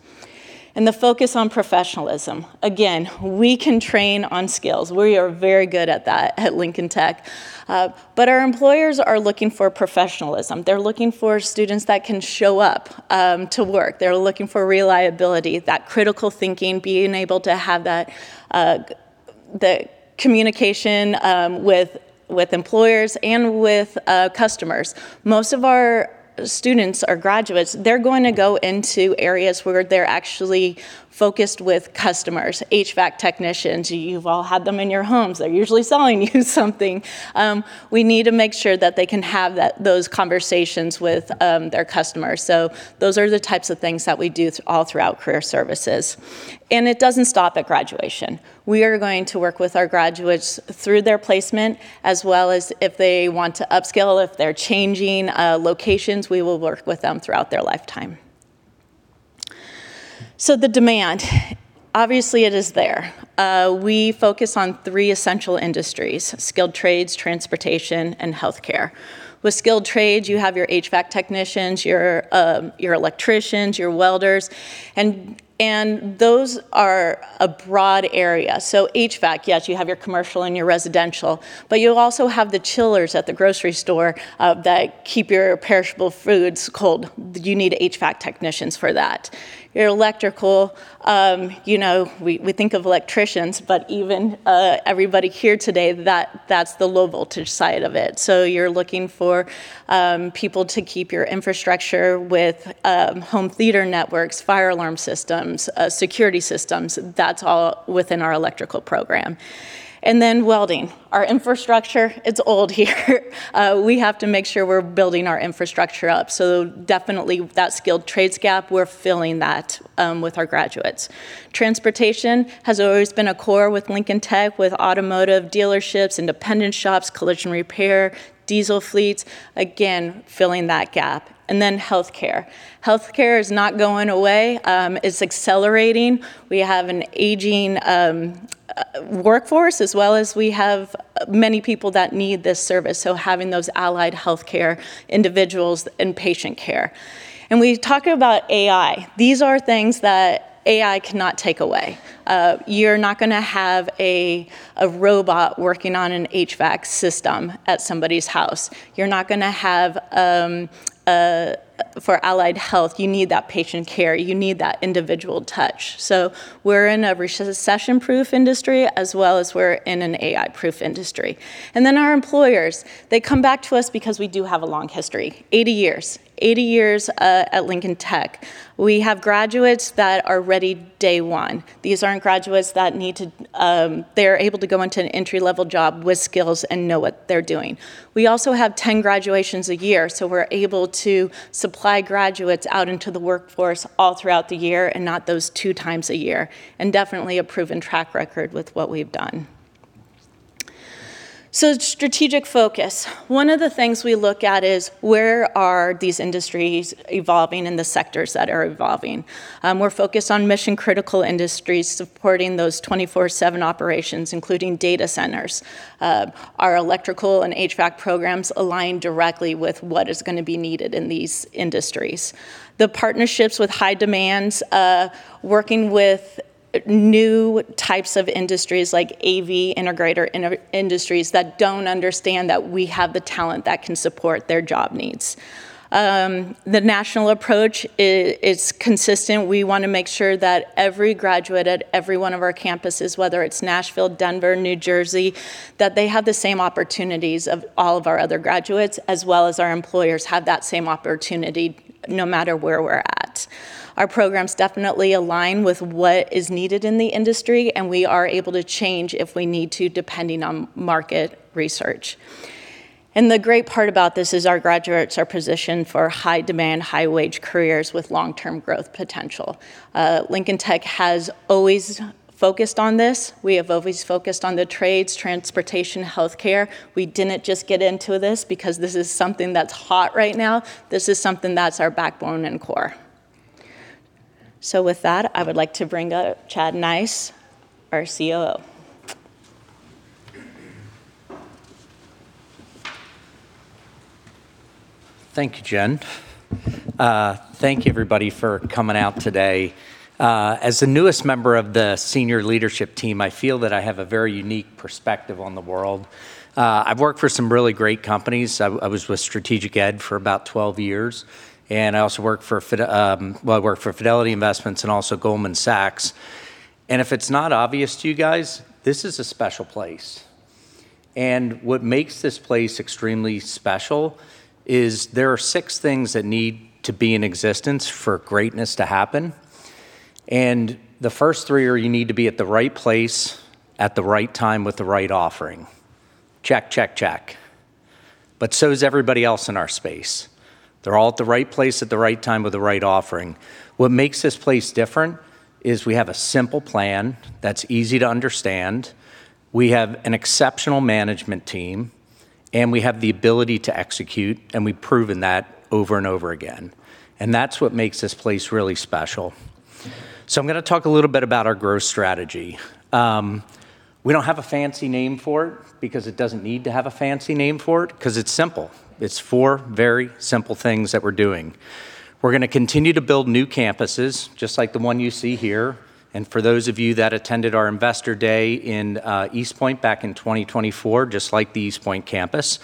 The focus on professionalism. Again, we can train on skills. We are very good at that at Lincoln Tech. But our employers are looking for professionalism. They're looking for students that can show up to work. They're looking for reliability, that critical thinking, being able to have that the communication with employers and with customers. Most of our students or graduates, they're going to go into areas where they're actually focused with customers. HVAC technicians, you've all had them in your homes. They're usually selling you something. We need to make sure that they can have that those conversations with their customers. Those are the types of things that we do all throughout career services. It doesn't stop at graduation. We are going to work with our graduates through their placement as well as if they want to upskill, if they're changing locations, we will work with them throughout their lifetime. The demand, obviously it is there. We focus on three essential industries, skilled trades, transportation, and healthcare. With skilled trades, you have your HVAC technicians, your electricians, your welders, and those are a broad area. HVAC, yes, you have your commercial and your residential, but you also have the chillers at the grocery store that keep your perishable foods cold. You need HVAC technicians for that. Your electrical, you know, we think of electricians, but even everybody here today, that's the low voltage side of it. You're looking for people to keep your infrastructure with home theater networks, fire alarm systems, security systems. That's all within our electrical program. Then welding. Our infrastructure, it's old here. We have to make sure we're building our infrastructure up. Definitely that skilled trades gap, we're filling that with our graduates. Transportation has always been a core with Lincoln Tech, with automotive dealerships, independent shops, collision repair, diesel fleets, again, filling that gap. Then healthcare. Healthcare is not going away. It's accelerating. We have an aging workforce as well as we have many people that need this service, so having those allied healthcare individuals in patient care. We talk about AI. These are things that AI cannot take away. You're not gonna have a robot working on an HVAC system at somebody's house. You're not gonna have for allied health, you need that patient care. You need that individual touch. We're in a recession-proof industry as well as we're in an AI-proof industry. Our employers, they come back to us because we do have a long history. 80 years at Lincoln Tech. We have graduates that are ready day one. These aren't graduates that need to, they're able to go into an entry-level job with skills and know what they're doing. We also have 10 graduations a year, so we're able to supply graduates out into the workforce all throughout the year and not those two times a year, and definitely a proven track record with what we've done. Strategic focus. One of the things we look at is where are these industries evolving and the sectors that are evolving. We're focused on mission-critical industries supporting those 24/7 operations, including data centers. Our electrical and HVAC programs align directly with what is gonna be needed in these industries. The partnerships with high demands, working with new types of industries like AV integrator industries that don't understand that we have the talent that can support their job needs. The national approach is consistent. We wanna make sure that every graduate at every one of our campuses, whether it's Nashville, Denver, New Jersey, that they have the same opportunities of all of our other graduates, as well as our employers have that same opportunity no matter where we're at. Our programs definitely align with what is needed in the industry, and we are able to change if we need to, depending on market research. The great part about this is our graduates are positioned for high-demand, high-wage careers with long-term growth potential. Lincoln Tech has always focused on this. We have always focused on the trades, transportation, healthcare. We didn't just get into this because this is something that's hot right now. This is something that's our backbone and core. With that, I would like to bring up Chad Nyce, our COO. Thank you, Jen. Thank you everybody for coming out today. As the newest member of the senior leadership team, I feel that I have a very unique perspective on the world. I've worked for some really great companies. I was with Strategic Education for about 12 years, and I also worked for Fidelity Investments and also Goldman Sachs. If it's not obvious to you guys, this is a special place. What makes this place extremely special is there are six things that need to be in existence for greatness to happen, and the first three are you need to be at the right place at the right time with the right offering. Check, check. So is everybody else in our space. They're all at the right place at the right time with the right offering. What makes this place different is we have a simple plan that's easy to understand. We have an exceptional management team. We have the ability to execute, and we've proven that over and over again, and that's what makes this place really special. I'm gonna talk a little bit about our growth strategy. We don't have a fancy name for it because it doesn't need to have a fancy name for it 'cause it's simple. It's four very simple things that we're doing. We're gonna continue to build new campuses, just like the one you see here, and for those of you that attended our investor day in East Point back in 2024, just like the East Point campus.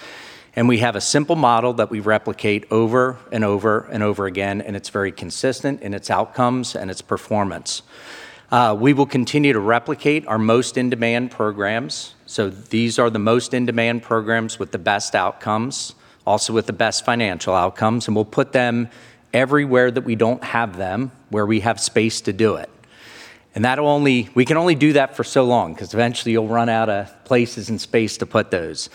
We have a simple model that we replicate over and over and over again, and it's very consistent in its outcomes and its performance. We will continue to replicate our most in-demand programs. These are the most in-demand programs with the best outcomes, also with the best financial outcomes, and we'll put them everywhere that we don't have them, where we have space to do it. We can only do that for so long, 'cause eventually you'll run out of places and space to put those.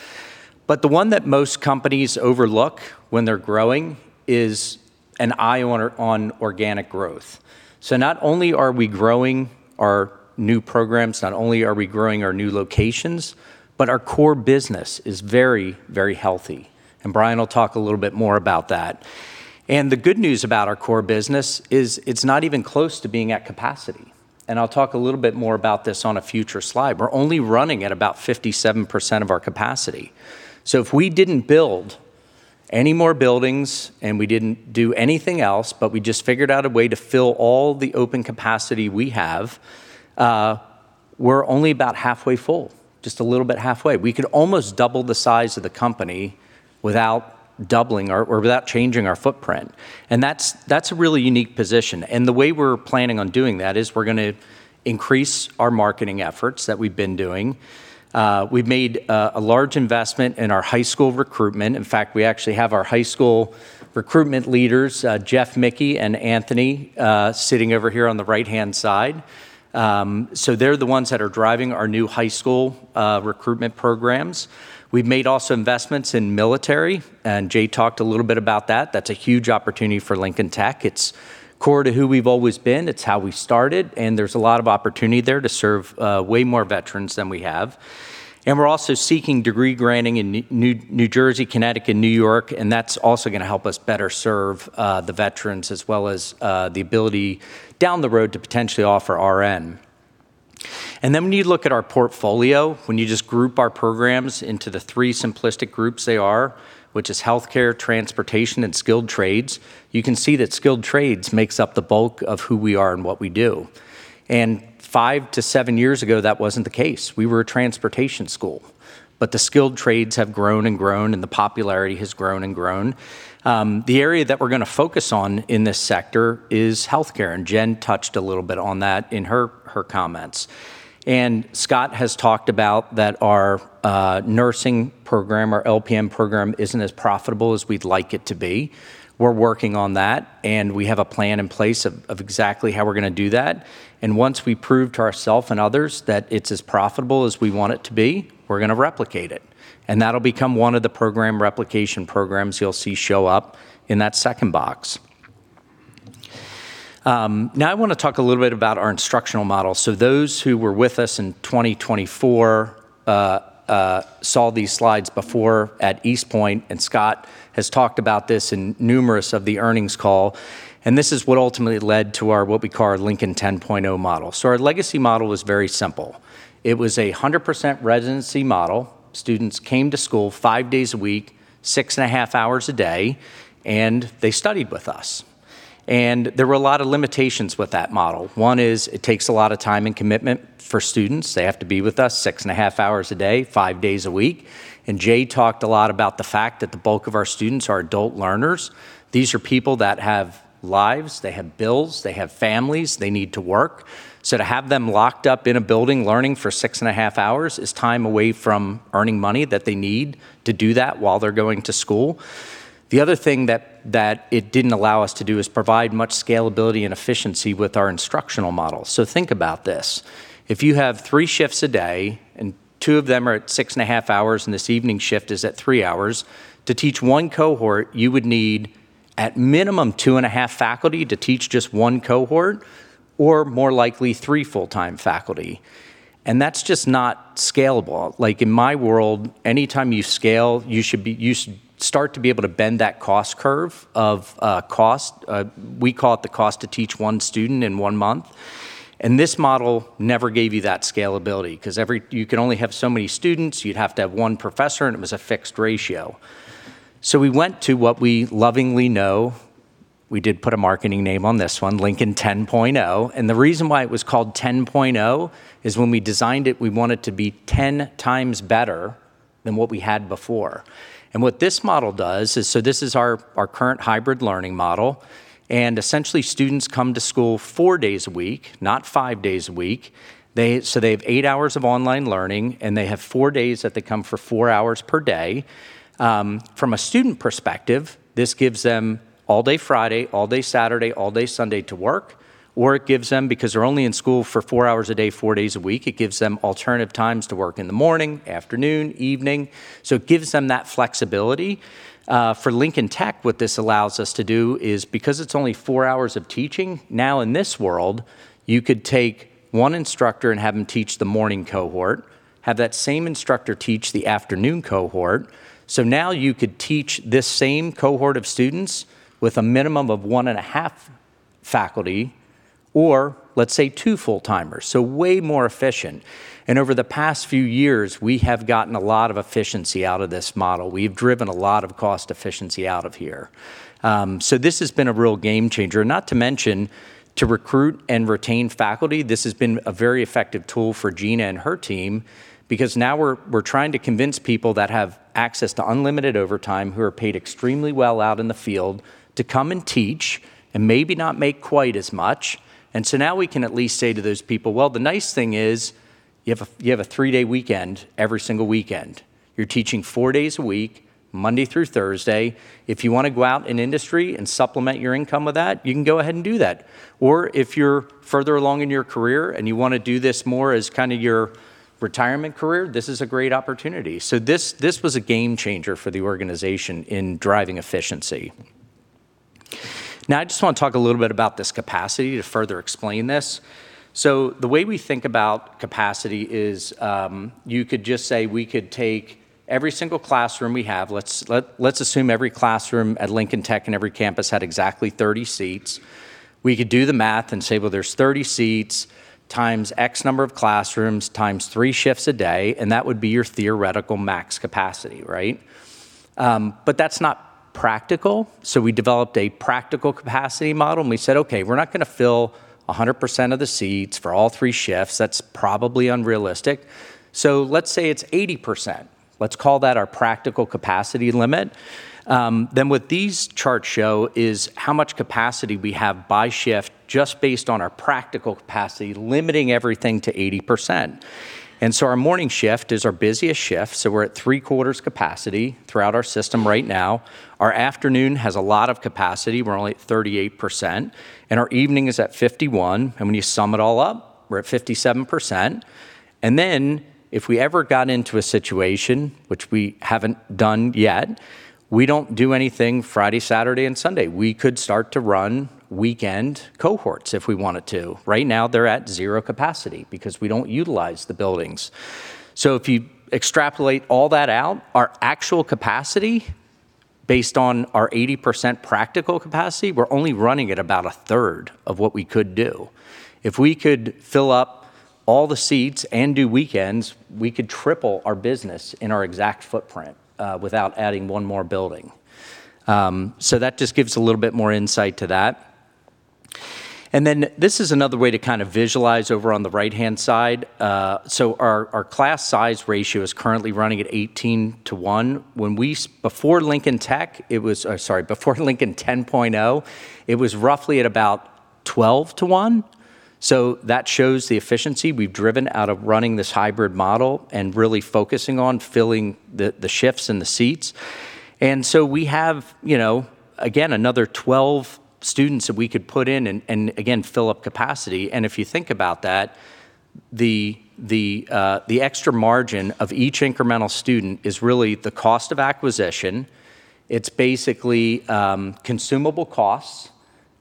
The one that most companies overlook when they're growing is an eye on organic growth. Not only are we growing our new programs, not only are we growing our new locations, but our core business is very, very healthy, and Brian will talk a little bit more about that. The good news about our core business is it's not even close to being at capacity, and I'll talk a little bit more about this on a future slide. We're only running at about 57% of our capacity. If we didn't build any more buildings, and we didn't do anything else, but we just figured out a way to fill all the open capacity we have, we're only about halfway full, just a little bit halfway. We could almost double the size of the company without changing our footprint, and that's a really unique position. The way we're planning on doing that is we're gonna increase our marketing efforts that we've been doing. We've made a large investment in our high school recruitment. In fact, we actually have our high school recruitment leaders, Jeff Mickey and Anthony, sitting over here on the right-hand side. So they're the ones that are driving our new high school recruitment programs. We've made also investments in military, and Jay talked a little bit about that. That's a huge opportunity for Lincoln Tech. It's core to who we've always been. It's how we started, and there's a lot of opportunity there to serve way more veterans than we have. We're also seeking degree granting in New Jersey, Connecticut, and New York, and that's also gonna help us better serve the veterans as well as the ability down the road to potentially offer RN. When you look at our portfolio, when you just group our programs into the three simplistic groups they are, which is healthcare, transportation, and skilled trades, you can see that skilled trades makes up the bulk of who we are and what we do. 5-7 years ago, that wasn't the case. We were a transportation school. The skilled trades have grown and grown, and the popularity has grown and grown. The area that we're gonna focus on in this sector is healthcare, and Jen touched a little bit on that in her comments. Scott has talked about that our nursing program, our LPN program, isn't as profitable as we'd like it to be. We're working on that, and we have a plan in place of exactly how we're gonna do that. Once we prove to ourself and others that it's as profitable as we want it to be, we're gonna replicate it, and that'll become one of the program replication programs you'll see show up in that second box. Now I wanna talk a little bit about our instructional model. Those who were with us in 2024 saw these slides before at East Point, and Scott has talked about this in numerous of the earnings call, and this is what ultimately led to our what we call our Lincoln 10.0 model. Our legacy model was very simple. It was a 100% residency model. Students came to school five days a week, six and a half hours a day, and they studied with us. There were a lot of limitations with that model. One is it takes a lot of time and commitment for students. They have to be with us six and a half hours a day, five days a week. Jay talked a lot about the fact that the bulk of our students are adult learners. These are people that have lives. They have bills. They have families. They need to work. To have them locked up in a building learning for 6.5 hours is time away from earning money that they need to do that while they're going to school. The other thing that it didn't allow us to do is provide much scalability and efficiency with our instructional model. Think about this. If you have 3 shifts a day, and two of them are at 6.5 hours, and this evening shift is at 3 hours, to teach one cohort, you would need at minimum 2.5 faculty to teach just one cohort or more likely 3 full-time faculty, and that's just not scalable. Like, in my world, any time you scale, you start to be able to bend that cost curve of cost. We call it the cost to teach one student in one month. This model never gave you that scalability 'cause you can only have so many students. You'd have to have one professor, and it was a fixed ratio. We went to what we lovingly know, we did put a marketing name on this one, Lincoln 10.0. The reason why it was called 10.0 is when we designed it, we want it to be 10 times better than what we had before. What this model does is, this is our current hybrid learning model, and essentially students come to school four days a week, not five days a week. They have eight hours of online learning, and they have four days that they come for four hours per day. From a student perspective, this gives them all day Friday, all day Saturday, all day Sunday to work, or it gives them, because they're only in school for 4 hours a day, 4 days a week, it gives them alternative times to work in the morning, afternoon, evening. It gives them that flexibility. For Lincoln Tech, what this allows us to do is because it's only 4 hours of teaching, now in this world, you could take one instructor and have him teach the morning cohort, have that same instructor teach the afternoon cohort. Now you could teach this same cohort of students with a minimum of one and a half faculty or let's say two full-timers, so way more efficient. Over the past few years, we have gotten a lot of efficiency out of this model. We've driven a lot of cost efficiency out of here. This has been a real game changer. Not to mention, to recruit and retain faculty, this has been a very effective tool for Gina and her team because now we're trying to convince people that have access to unlimited overtime who are paid extremely well out in the field to come and teach and maybe not make quite as much. Now we can at least say to those people, "Well, the nice thing is you have a three-day weekend every single weekend. You're teaching four days a week, Monday through Thursday. If you wanna go out in industry and supplement your income with that, you can go ahead and do that. If you're further along in your career and you wanna do this more as kinda your retirement career, this is a great opportunity." This was a game changer for the organization in driving efficiency. Now, I just wanna talk a little bit about this capacity to further explain this. The way we think about capacity is, you could just say we could take every single classroom we have. Let's assume every classroom at Lincoln Tech and every campus had exactly 30 seats. We could do the math and say, well, there's 30 seats times X number of classrooms times 3 shifts a day, and that would be your theoretical max capacity, right? But that's not practical, so we developed a practical capacity model, and we said, "Okay, we're not gonna fill 100% of the seats for all 3 shifts. That's probably unrealistic." Let's say it's 80%. Let's call that our practical capacity limit. What these charts show is how much capacity we have by shift just based on our practical capacity limiting everything to 80%. Our morning shift is our busiest shift, so we're at three-quarters capacity throughout our system right now. Our afternoon has a lot of capacity. We're only at 38%, and our evening is at 51%, and when you sum it all up, we're at 57%. If we ever got into a situation which we haven't done yet, we don't do anything Friday, Saturday, and Sunday. We could start to run weekend cohorts if we wanted to. Right now, they're at 0 capacity because we don't utilize the buildings. If you extrapolate all that out, our actual capacity based on our 80% practical capacity, we're only running at about a third of what we could do. If we could fill up all the seats and do weekends, we could triple our business in our exact footprint, without adding one more building. That just gives a little bit more insight to that. Then this is another way to kind of visualize over on the right-hand side. Our class size ratio is currently running at 18 to 1. Before Lincoln 10.0, it was roughly at about 12 to 1. That shows the efficiency we've driven out of running this hybrid model and really focusing on filling the shifts and the seats. We have, you know, again another 12 students that we could put in and again fill up capacity. If you think about that, the extra margin of each incremental student is really the cost of acquisition. It's basically consumable costs,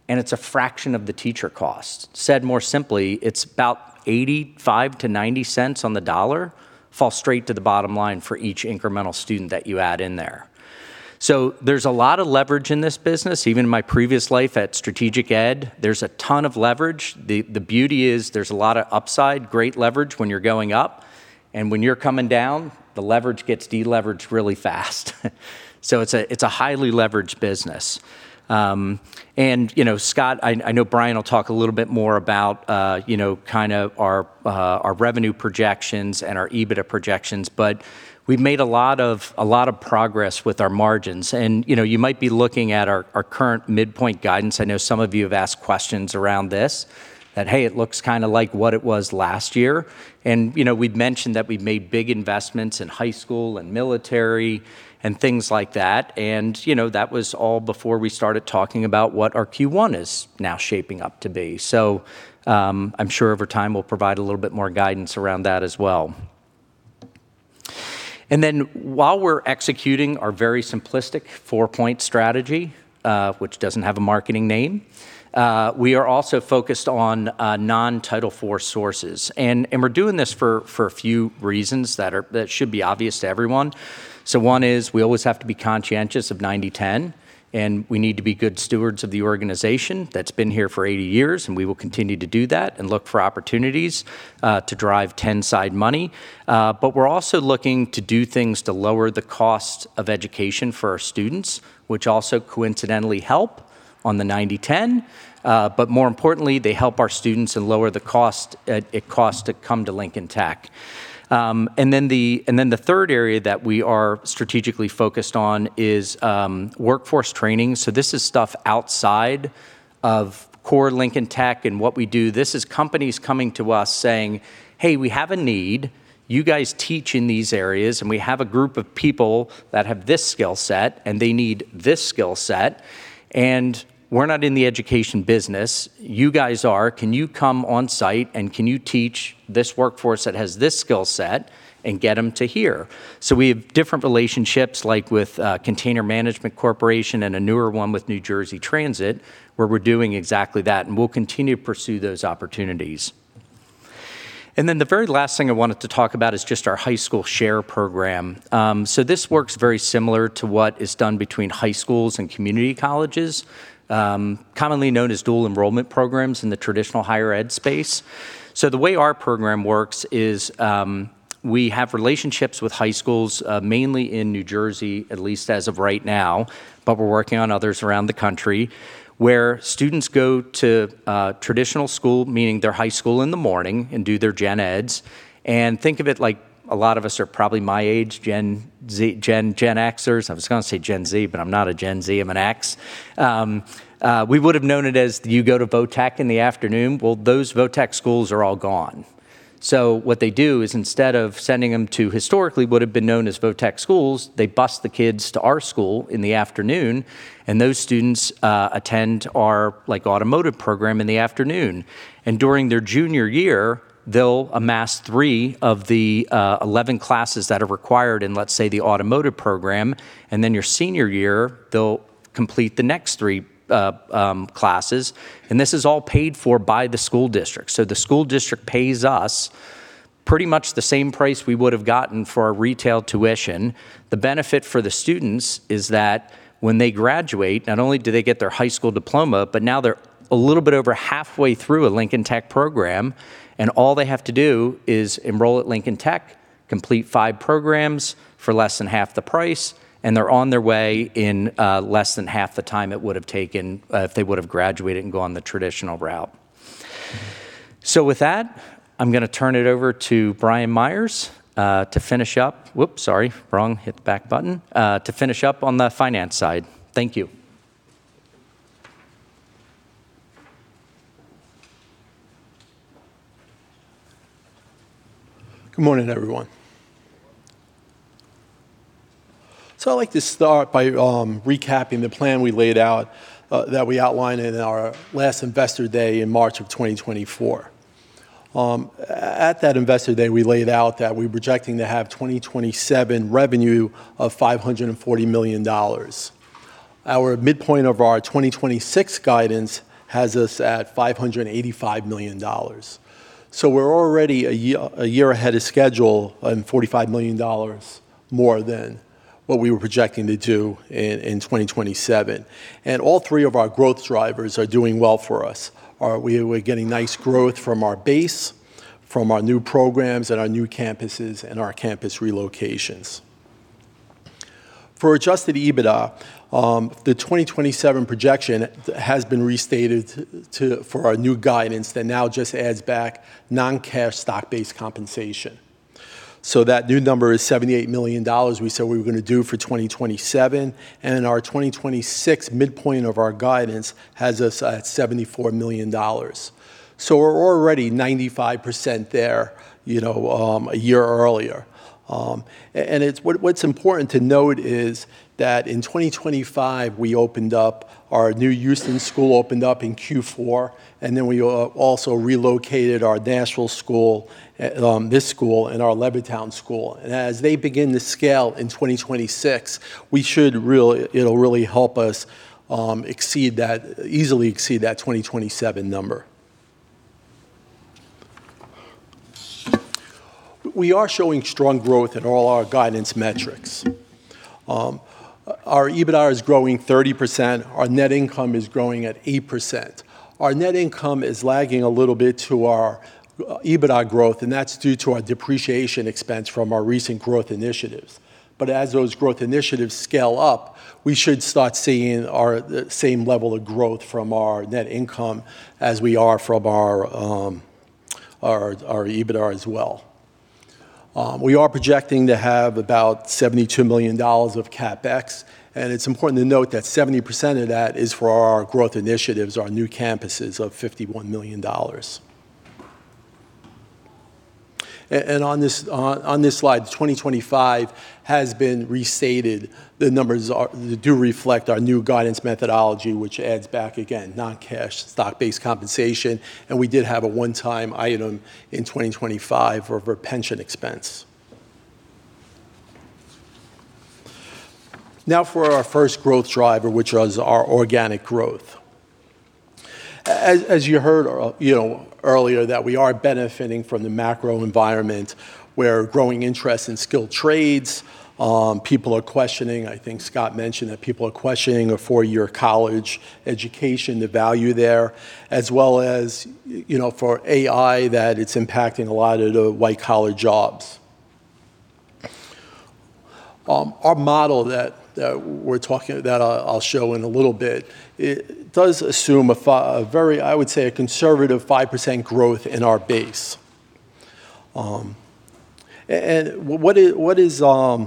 and it's a fraction of the teacher cost. Said more simply, it's about 85-90 cents on the dollar fall straight to the bottom line for each incremental student that you add in there. There's a lot of leverage in this business. Even in my previous life at Strategic Ed, there's a ton of leverage. The beauty is there's a lot of upside, great leverage when you're going up, and when you're coming down, the leverage gets de-leveraged really fast. It's a highly leveraged business. You know, Scott, I know Brian will talk a little bit more about, you know, kinda our revenue projections and our EBITDA projections, but we've made a lot of progress with our margins. You know, you might be looking at our current midpoint guidance. I know some of you have asked questions around this, that, hey, it looks kinda like what it was last year. You know, we'd mentioned that we've made big investments in high school and military and things like that. You know, that was all before we started talking about what our Q1 is now shaping up to be. I'm sure over time we'll provide a little bit more guidance around that as well. While we're executing our very simplistic four-point strategy, which doesn't have a marketing name, we are also focused on non-Title IV sources. We're doing this for a few reasons that should be obvious to everyone. One is we always have to be conscientious of 90/10, and we need to be good stewards of the organization that's been here for 80 years, and we will continue to do that and look for opportunities to drive 10-side money. We're also looking to do things to lower the cost of education for our students, which also coincidentally help on the 90/10. More importantly, they help our students and lower the cost it costs to come to Lincoln Tech. The third area that we are strategically focused on is workforce training. This is stuff outside of core Lincoln Tech and what we do. This is companies coming to us saying, "Hey, we have a need. You guys teach in these areas, and we have a group of people that have this skill set, and they need this skill set, and we're not in the education business. You guys are. Can you come on site, and can you teach this workforce that has this skill set and get them to here?" We have different relationships, like with Container Management Corporation and a newer one with New Jersey Transit, where we're doing exactly that, and we'll continue to pursue those opportunities. The very last thing I wanted to talk about is just our high school share program. This works very similar to what is done between high schools and community colleges, commonly known as dual enrollment programs in the traditional higher ed space. The way our program works is, we have relationships with high schools, mainly in New Jersey, at least as of right now, but we're working on others around the country, where students go to a traditional school, meaning their high school in the morning and do their gen eds. Think of it like a lot of us are probably my age, Gen Xers. I was gonna say Gen Z, but I'm not a Gen Z, I'm an X. We would have known it as you go to vo-tech in the afternoon. Well, those vo-tech schools are all gone. What they do is instead of sending them to historically would have been known as vo-tech schools, they bus the kids to our school in the afternoon, and those students attend our, like, automotive program in the afternoon. During their junior year, they'll amass 3 of the 11 classes that are required in, let's say, the automotive program, and then your senior year, they'll complete the next 3 classes. This is all paid for by the school district. The school district pays us pretty much the same price we would have gotten for our retail tuition. The benefit for the students is that when they graduate, not only do they get their high school diploma, but now they're a little bit over halfway through a Lincoln Tech program, and all they have to do is enroll at Lincoln Tech, complete five programs for less than half the price, and they're on their way in less than half the time it would have taken if they would have graduated and gone the traditional route. With that, I'm gonna turn it over to Brian Meyers to finish up on the finance side. Thank you. Good morning, everyone. I'd like to start by recapping the plan we laid out that we outlined in our last Investor Day in March of 2024. At that Investor Day, we laid out that we're projecting to have 2027 revenue of $540 million. Our midpoint of our 2026 guidance has us at $585 million. We're already a year ahead of schedule and $45 million more than what we were projecting to do in 2027. All three of our growth drivers are doing well for us. We're getting nice growth from our base, from our new programs at our new campuses and our campus relocations. For adjusted EBITDA, the 2027 projection has been restated for our new guidance that now just adds back non-cash stock-based compensation. That new number is $78 million we said we were gonna do for 2027, and our 2026 midpoint of our guidance has us at $74 million. We're already 95% there, you know, a year earlier. It's what's important to note that in 2025, we opened up our new Houston school, opened up in Q4, and then we also relocated our Nashville school, this school and our Levittown school. As they begin to scale in 2026, it'll really help us easily exceed that 2027 number. We are showing strong growth in all our guidance metrics. Our EBITDA is growing 30%. Our net income is growing at 8%. Our net income is lagging a little bit to our EBITDA growth, and that's due to our depreciation expense from our recent growth initiatives. As those growth initiatives scale up, we should start seeing the same level of growth from our net income as we are from our EBITDA as well. We are projecting to have about $72 million of CapEx, and it's important to note that 70% of that is for our growth initiatives, our new campuses of $51 million. On this slide, 2025 has been restated. The numbers do reflect our new guidance methodology, which adds back again non-cash stock-based compensation. We did have a one-time item in 2025 for pension expense. Now for our first growth driver, which is our organic growth. As you heard earlier, you know, that we are benefiting from the macro environment where growing interest in skilled trades, people are questioning. I think Scott mentioned that people are questioning a four-year college education, the value there, as well as, you know, for AI, that it's impacting a lot of the white-collar jobs. Our model that I'll show in a little bit, it does assume a very, I would say, a conservative 5% growth in our base. And what is I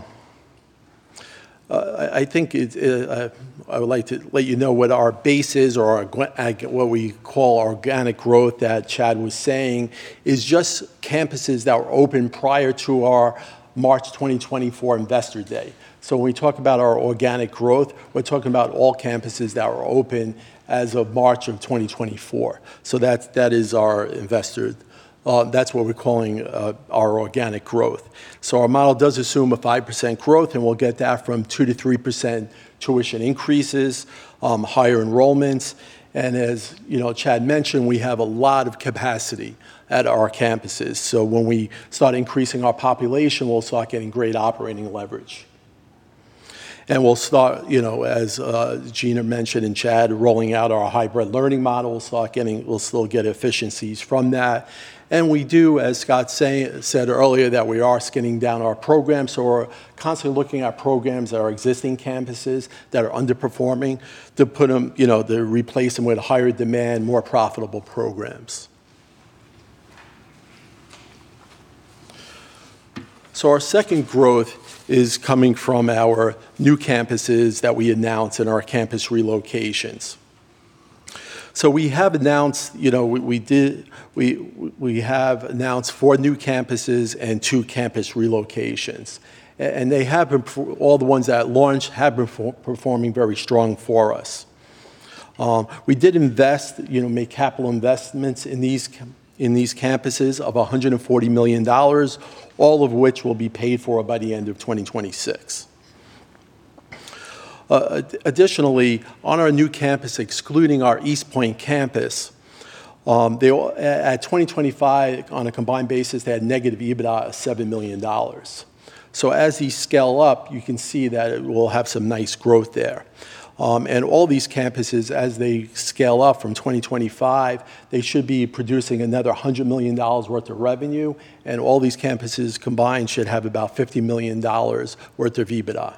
would like to let you know what our base is or what we call organic growth that Chad was saying is just campuses that were open prior to our March 2024 Investor Day. When we talk about our organic growth, we're talking about all campuses that were open as of March 2024. That's what we're calling our organic growth. Our model does assume a 5% growth, and we'll get that from 2%-3% tuition increases, higher enrollments. As you know, Chad mentioned, we have a lot of capacity at our campuses. When we start increasing our population, we'll start getting great operating leverage. We'll start, you know, as Gina mentioned and Chad, rolling out our hybrid learning model. We'll still get efficiencies from that. We do, as Scott said earlier, that we are thinning down our programs, so we're constantly looking at programs at our existing campuses that are underperforming to put them, you know, to replace them with higher demand, more profitable programs. Our second growth is coming from our new campuses that we announced in our campus relocations. We have announced, you know, four new campuses and two campus relocations. All the ones that launched have been performing very strong for us. We did invest, you know, make capital investments in these campuses of $140 million, all of which will be paid for by the end of 2026. Additionally, on our new campus, excluding our East Point campus, they all at 2025, on a combined basis, they had negative EBITDA of $7 million. As you scale up, you can see that it will have some nice growth there. All these campuses, as they scale up from 2025, they should be producing another $100 million worth of revenue, and all these campuses combined should have about $50 million worth of EBITDA.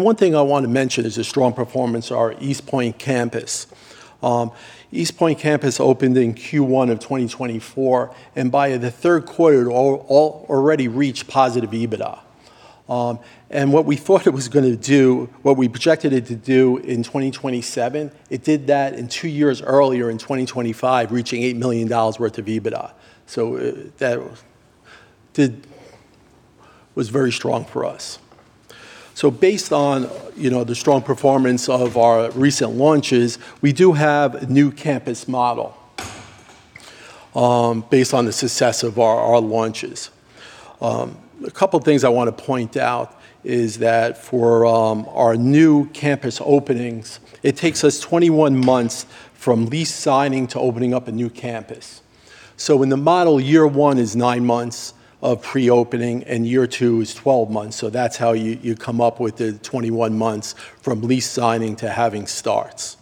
One thing I want to mention is the strong performance of our East Point campus. East Point campus opened in Q1 of 2024, and by the Q3, it already reached positive EBITDA. What we thought it was gonna do, what we projected it to do in 2027, it did that in 2 years earlier in 2025, reaching $8 million worth of EBITDA. That was very strong for us. Based on, you know, the strong performance of our recent launches, we do have a new campus model, based on the success of our launches. A couple of things I wanna point out is that for our new campus openings, it takes us 21 months from lease signing to opening up a new campus. In the model, year one is 9 months of pre-opening, and year two is 12 months. That's how you come up with the 21 months from lease signing to having starts.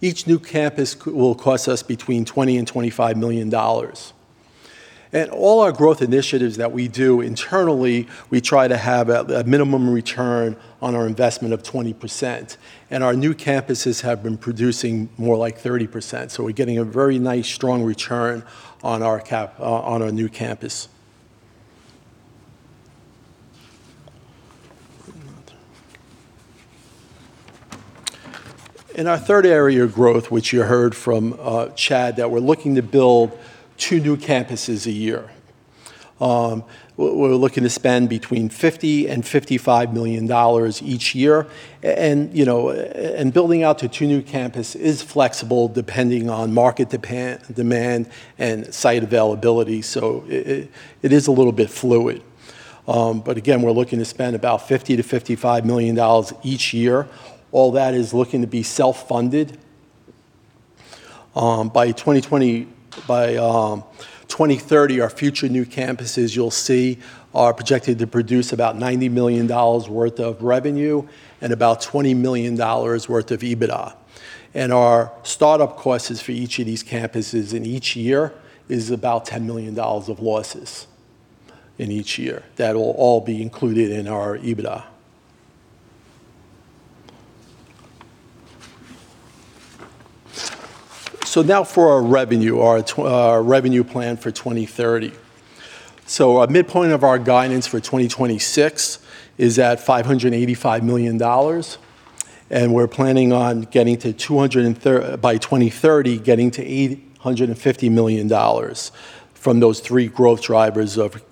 Each new campus will cost us between $20 million and $25 million. All our growth initiatives that we do internally, we try to have a minimum return on our investment of 20%. Our new campuses have been producing more like 30%. We're getting a very nice strong return on our new campus. Our third area of growth, which you heard from Chad, that we're looking to build two new campuses a year. We're looking to spend between $50 million and $55 million each year. You know, and building out to two new campuses is flexible depending on market demand and site availability. It is a little bit fluid. But again, we're looking to spend about $50 million-$55 million each year. All that is looking to be self-funded. By 2030, our future new campuses, you'll see, are projected to produce about $90 million worth of revenue and about $20 million worth of EBITDA. Our startup costs for each of these campuses in each year is about $10 million of losses in each year. That will all be included in our EBITDA. Now for our revenue, our revenue plan for 2030. Our midpoint of our guidance for 2026 is at $585 million, and we're planning on getting to $850 million by 2030 from those three growth drivers of,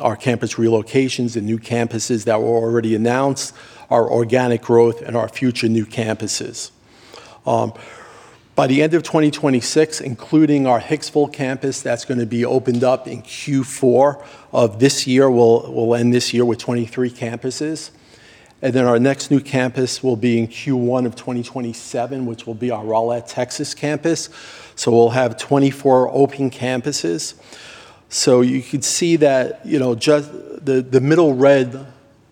our campus relocations and new campuses that were already announced, our organic growth, and our future new campuses. By the end of 2026, including our Hicksville campus, that's gonna be opened up in Q4 of this year. We'll end this year with 23 campuses. Our next new campus will be in Q1 of 2027, which will be our Rowlett, Texas campus. We'll have 24 open campuses. You could see that, you know, just the middle red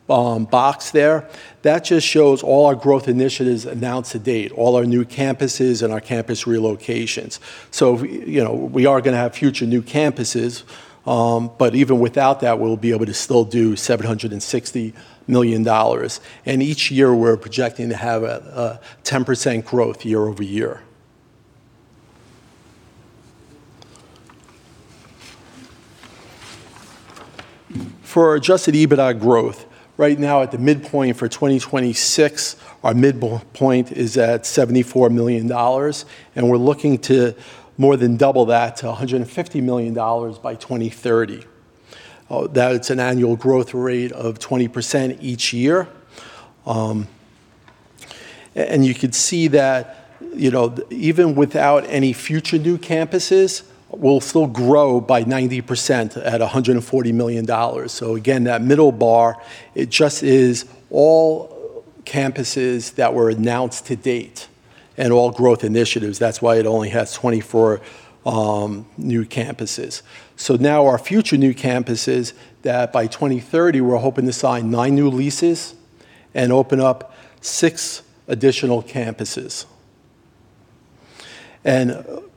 box there, that just shows all our growth initiatives announced to date, all our new campuses and our campus relocations. You know, we are gonna have future new campuses, but even without that, we'll be able to still do $760 million. Each year, we're projecting to have a 10% growth year-over-year. For adjusted EBITDA growth, right now at the midpoint for 2026, our midpoint is at $74 million, and we're looking to more than double that to $150 million by 2030. That's an annual growth rate of 20% each year. You could see that, you know, even without any future new campuses, we'll still grow by 90% at $140 million. Again, that middle bar, it just is all campuses that were announced to date and all growth initiatives. That's why it only has 24 new campuses. Now our future new campuses that by 2030 we're hoping to sign nine new leases and open up six additional campuses.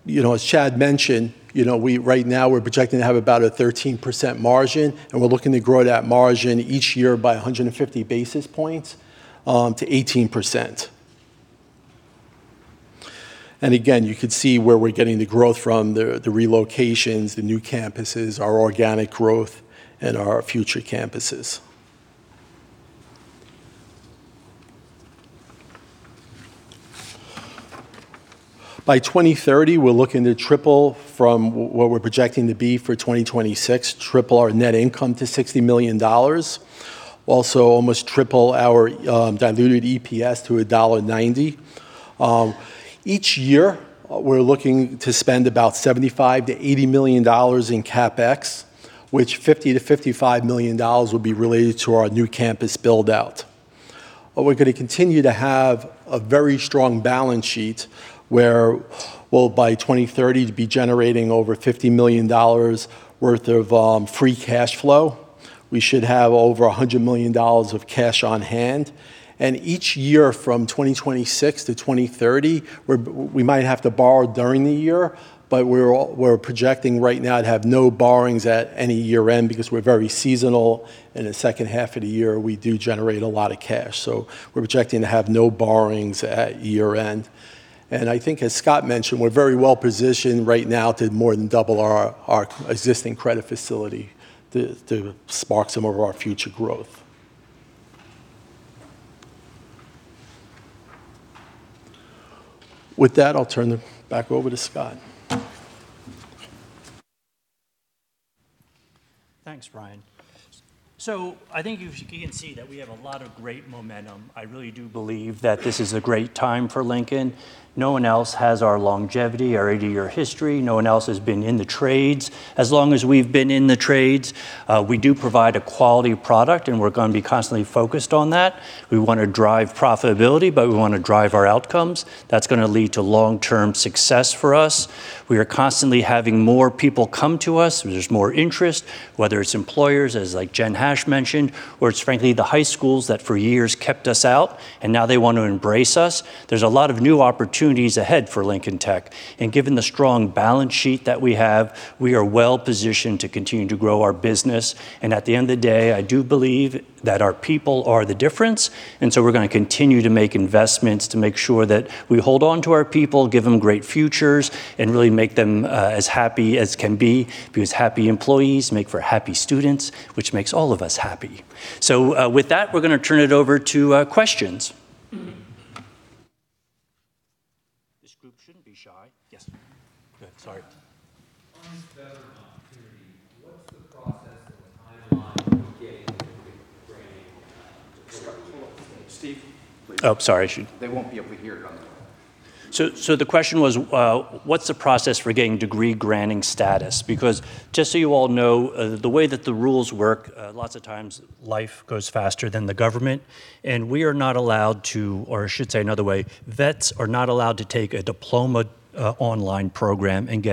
You know, as Chad mentioned, you know, we right now we're projecting to have about a 13% margin, and we're looking to grow that margin each year by 150 basis points to 18%. You could see where we're getting the growth from, the relocations, the new campuses, our organic growth and our future campuses. By 2030, we're looking to triple from what we're projecting to be for 2026, triple our net income to $60 million. Also almost triple our diluted EPS to $1.90. Each year, we're looking to spend about $75 million-$80 million in CapEx, which $50 million-$55 million will be related to our new campus build-out. We're gonna continue to have a very strong balance sheet where we'll by 2030 be generating over $50 million worth of free cash flow. We should have over $100 million of cash on hand. Each year from 2026 to 2030, we might have to borrow during the year, but we're projecting right now to have no borrowings at any year-end because we're very seasonal. In the second half of the year, we do generate a lot of cash. We're projecting to have no borrowings at year-end. I think as Scott mentioned, we're very well positioned right now to more than double our existing credit facility to spark some of our future growth. With that, I'll turn it back over to Scott. Thanks, Brian. I think you can see that we have a lot of great momentum. I really do believe that this is a great time for Lincoln. No one else has our longevity, our 80-year history. No one else has been in the trades as long as we've been in the trades. We do provide a quality product, and we're gonna be constantly focused on that. We wanna drive profitability, but we wanna drive our outcomes. That's gonna lead to long-term success for us. We are constantly having more people come to us. There's more interest, whether it's employers, as like Jennifer Hash mentioned, or it's frankly the high schools that for years kept us out, and now they want to embrace us. There's a lot of new opportunities ahead for Lincoln Tech. Given the strong balance sheet that we have, we are well positioned to continue to grow our business. At the end of the day, I do believe that our people are the difference. We're gonna continue to make investments to make sure that we hold on to our people, give them great futures, and really make them, as happy as can be, because happy employees make for happy students, which makes all of us happy. With that, we're gonna turn it over to questions. This group shouldn't be shy. Yes. Sorry. On veteran opportunity, what's the process and timeline to getting degree-granting structural? Stephen, please. Oh, sorry. They won't be able to hear it otherwise. The question was, what's the process for getting degree-granting status? Because just so you all know, the way that the rules work, lots of times life goes faster than the government, and we are not allowed to, or I should say another way, vets are not allowed to take a diploma online program and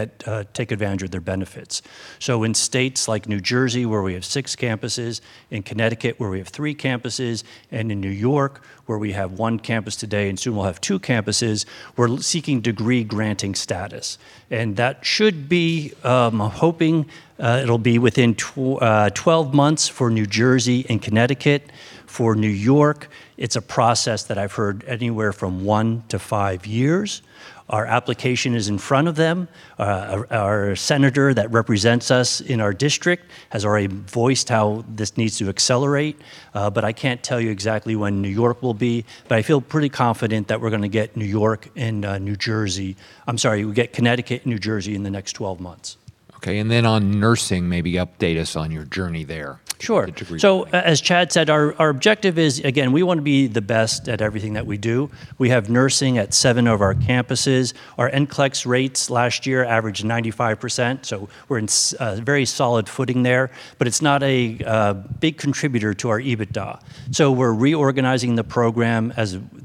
take advantage of their benefits. In states like New Jersey, where we have six campuses, in Connecticut, where we have three campuses, and in New York, where we have one campus today, and soon we'll have two campuses, we're seeking degree-granting status. That should be, I'm hoping, it'll be within twelve months for New Jersey and Connecticut. For New York, it's a process that I've heard anywhere from one to five years. Our application is in front of them. Our senator that represents us in our district has already voiced how this needs to accelerate, but I can't tell you exactly when New York will be. I feel pretty confident that we're gonna get New York and New Jersey. I'm sorry, we'll get Connecticut and New Jersey in the next 12 months. Okay. On nursing, maybe update us on your journey there. Sure. As Chad said, our objective is, again, we wanna be the best at everything that we do. We have nursing at seven of our campuses. Our NCLEX rates last year averaged 95%, so we're in very solid footing there, but it's not a big contributor to our EBITDA. We're reorganizing the program.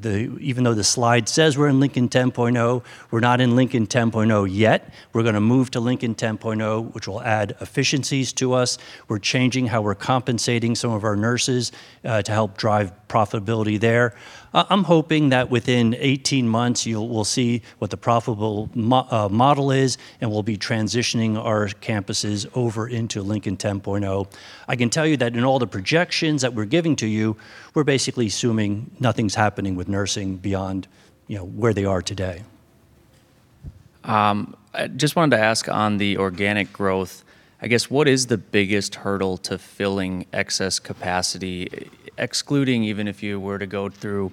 Even though the slide says we're in Lincoln 10.0, we're not in Lincoln 10.0 yet. We're gonna move to Lincoln 10.0, which will add efficiencies to us. We're changing how we're compensating some of our nurses to help drive profitability there. I'm hoping that within 18 months we'll see what the profitable model is, and we'll be transitioning our campuses over into Lincoln 10.0. I can tell you that in all the projections that we're giving to you, we're basically assuming nothing's happening with nursing beyond, you know, where they are today. I just wanted to ask on the organic growth, I guess what is the biggest hurdle to filling excess capacity, excluding even if you were to go through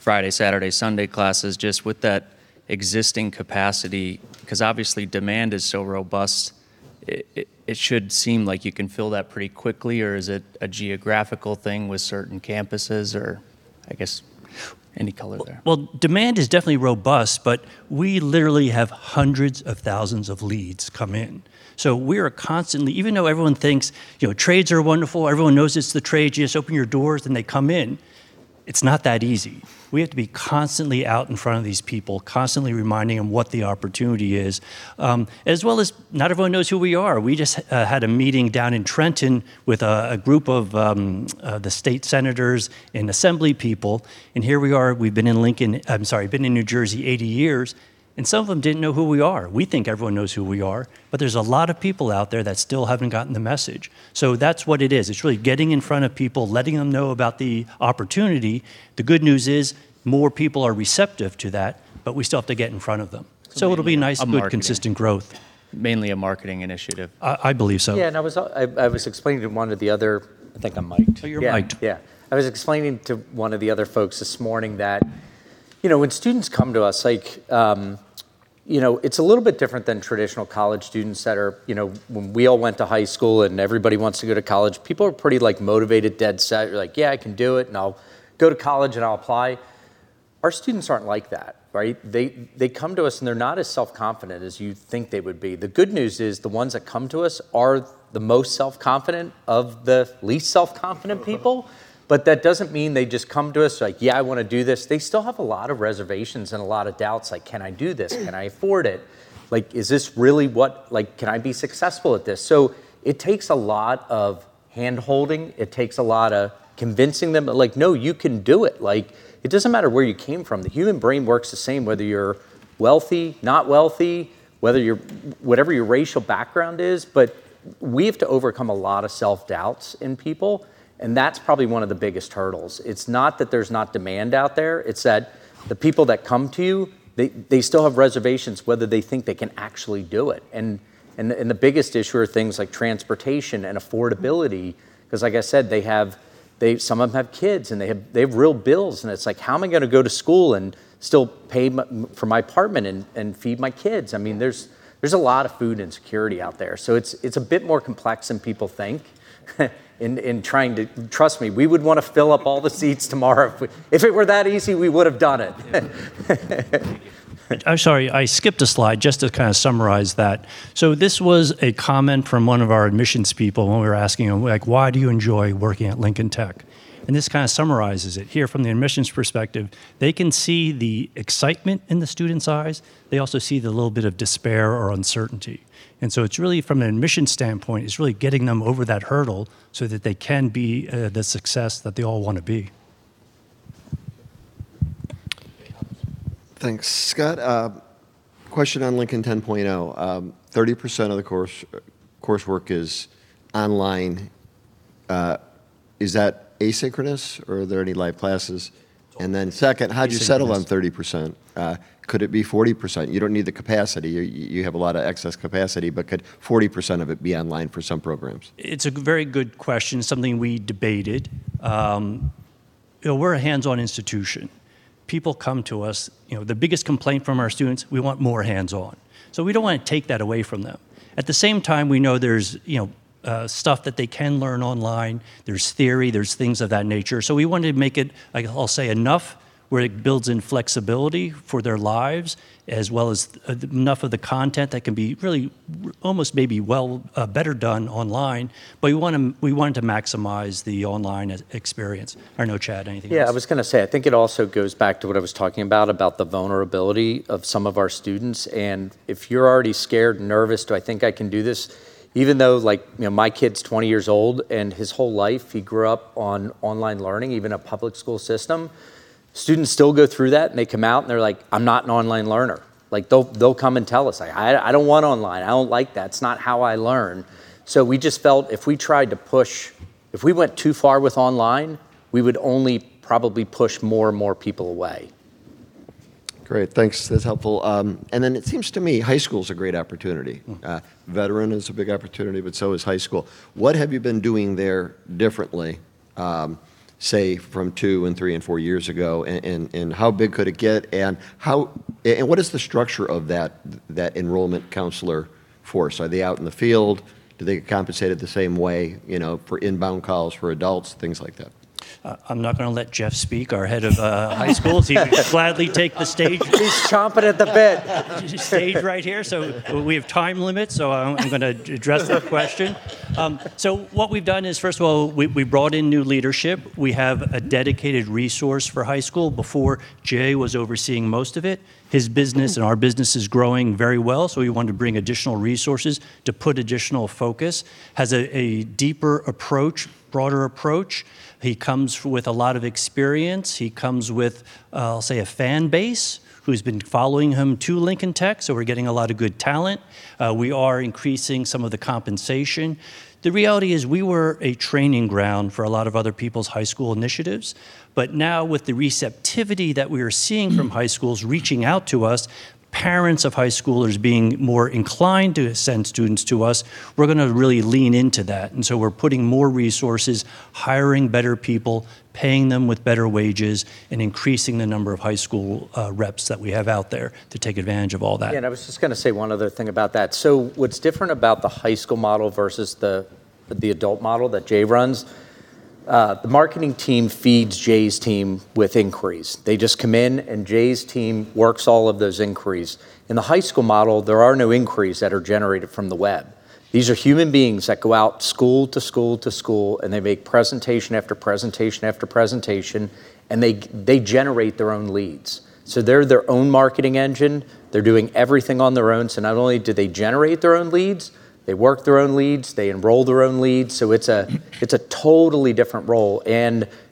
Friday, Saturday, Sunday classes, just with that existing capacity? Because obviously demand is so robust, it should seem like you can fill that pretty quickly, or is it a geographical thing with certain campuses? Or I guess Any color there. Well, demand is definitely robust, but we literally have hundreds of thousands of leads come in. We're constantly even though everyone thinks, you know, trades are wonderful, everyone knows it's the trades, you just open your doors and they come in, it's not that easy. We have to be constantly out in front of these people, constantly reminding them what the opportunity is, as well as not everyone knows who we are. We just had a meeting down in Trenton with a group of the state senators and assembly people, and here we are, we've been in New Jersey 80 years, and some of them didn't know who we are. We think everyone knows who we are, but there's a lot of people out there that still haven't gotten the message. That's what it is. It's really getting in front of people, letting them know about the opportunity. The good news is more people are receptive to that, but we still have to get in front of them. It'll be nice, good, consistent growth. Mainly a marketing initiative. I believe so. Yeah, I was explaining to one of the other- I think I'm micced. Oh, you're mic'd. Yeah. Yeah. I was explaining to one of the other folks this morning that, you know, when students come to us, like, you know, it's a little bit different than traditional college students. You know, when we all went to high school and everybody wants to go to college, people are pretty, like, motivated, dead set. You're like, "Yeah, I can do it, and I'll go to college, and I'll apply." Our students aren't like that, right? They come to us and they're not as self-confident as you'd think they would be. The good news is the ones that come to us are the most self-confident of the least self-confident people. But that doesn't mean they just come to us like, "Yeah, I wanna do this." They still have a lot of reservations and a lot of doubts like, "Can I do this? Can I afford it?" Like, "Is this really what Like, can I be successful at this?" It takes a lot of hand-holding. It takes a lot of convincing them. Like, "No, you can do it." Like, it doesn't matter where you came from. The human brain works the same whether you're wealthy, not wealthy, whether you're, whatever your racial background is. We have to overcome a lot of self-doubts in people, and that's probably one of the biggest hurdles. It's not that there's not demand out there, it's that the people that come to you, they still have reservations whether they think they can actually do it. The biggest issue are things like transportation and affordability, 'cause like I said, some of them have kids, and they have real bills, and it's like, "How am I gonna go to school and still pay for my apartment and feed my kids?" I mean, there's a lot of food insecurity out there. It's a bit more complex than people think in trying to. Trust me, we would wanna fill up all the seats tomorrow if it were that easy, we would've done it. I'm sorry, I skipped a slide just to kind of summarize that. This was a comment from one of our admissions people when we were asking them, like, "Why do you enjoy working at Lincoln Tech?" This kind of summarizes it. Here, from the admissions perspective, they can see the excitement in the students' eyes. They also see the little bit of despair or uncertainty. It's really, from an admissions standpoint, it's really getting them over that hurdle so that they can be, the success that they all wanna be. Thanks. Scott, question on Lincoln 10.0. 30% of the course, coursework is online. Is that asynchronous, or are there any live classes? And then second Asynchronous. How'd you settle on 30%? Could it be 40%? You don't need the capacity. You have a lot of excess capacity, but could 40% of it be online for some programs? It's a very good question, something we debated. You know, we're a hands-on institution. People come to us. You know, the biggest complaint from our students, "We want more hands-on." We don't wanna take that away from them. At the same time, we know there's, you know, stuff that they can learn online. There's theory, there's things of that nature. We wanted to make it, like, I'll say enough where it builds in flexibility for their lives, as well as enough of the content that can be really almost maybe well, better done online. We wanted to maximize the online experience. I don't know, Chad, anything else? Yeah, I was gonna say, I think it also goes back to what I was talking about the vulnerability of some of our students, and if you're already scared and nervous, "Do I think I can do this?" Even though, like, you know, my kid's 20 years old, and his whole life he grew up on online learning, even a public school system, students still go through that, and they come out, and they're like, "I'm not an online learner." Like, they'll come and tell us, "I don't want online. I don't like that. It's not how I learn." If we went too far with online, we would only probably push more and more people away. Great. Thanks. That's helpful. Then it seems to me high school's a great opportunity. Veteran is a big opportunity, but so is high school. What have you been doing there differently, say, from 2, 3, and 4 years ago, and how big could it get, and what is the structure of that enrollment counselor force? Are they out in the field? Do they get compensated the same way, you know, for inbound calls for adults, things like that? I'm not gonna let Jeff speak, our head of high school. He would gladly take the stage. He's chomping at the bit. Stage right here, we have time limits, I'm gonna address that question. What we've done is, first of all, we brought in new leadership. We have a dedicated resource for high school. Before, Jay was overseeing most of it. His business and our business is growing very well, we wanted to bring additional resources to put additional focus, has a deeper approach, broader approach. He comes with a lot of experience. He comes with, I'll say a fan base who's been following him to Lincoln Tech, we're getting a lot of good talent. We are increasing some of the compensation. The reality is we were a training ground for a lot of other people's high school initiatives, but now with the receptivity that we are seeing from high schools reaching out to us, parents of high schoolers being more inclined to send students to us, we're gonna really lean into that. We're putting more resources, hiring better people, paying them with better wages, and increasing the number of high school reps that we have out there to take advantage of all that. I was just gonna say one other thing about that. What's different about the high school model versus the adult model that Jay runs, the marketing team feeds Jay's team with inquiries. They just come in, and Jay's team works all of those inquiries. In the high school model, there are no inquiries that are generated from the web. These are human beings that go out school to school to school, and they make presentation after presentation after presentation, and they generate their own leads. They're their own marketing engine. They're doing everything on their own. Not only do they generate their own leads, they work their own leads, they enroll their own leads. It's a totally different role.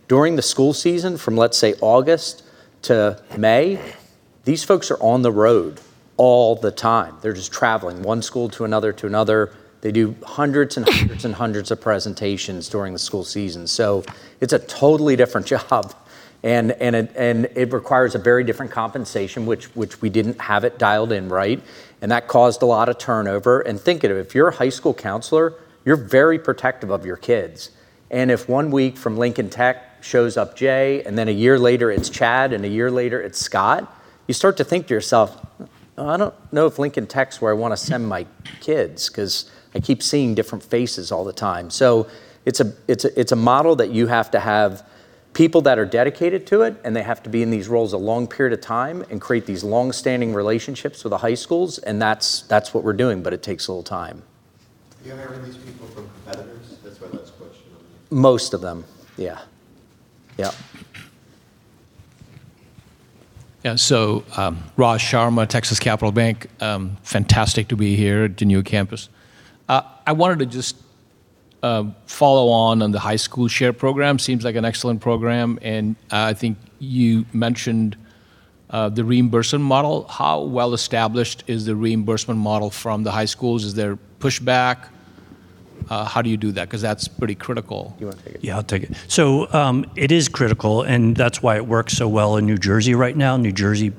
During the school season from, let's say, August to May, these folks are on the road all the time. They're just traveling one school to another to another. They do hundreds and hundreds and hundreds of presentations during the school season. It's a totally different job and it requires a very different compensation, which we didn't have it dialed in right, and that caused a lot of turnover. Think of it, if you're a high school counselor, you're very protective of your kids. If one week from Lincoln Tech shows up, Jay, and then a year later it's Chad, and a year later it's Scott, you start to think to yourself, "I don't know if Lincoln Tech's where I wanna send my kids 'cause I keep seeing different faces all the time." It's a model that you have to have people that are dedicated to it, and they have to be in these roles a long period of time and create these long-standing relationships with the high schools, and that's what we're doing, but it takes a little time. [inaudible] Most of them, yeah. Yep. Yeah. Raj Sharma, Texas Capital Bank. Fantastic to be here at the new campus. I wanted to just follow on the high school share program. Seems like an excellent program, and I think you mentioned the reimbursement model. How well established is the reimbursement model from the high schools? Is there pushback? How do you do that? 'Cause that's pretty critical. Do you wanna take it? Yeah, I'll take it. It is critical, and that's why it works so well in New Jersey right now. New Jersey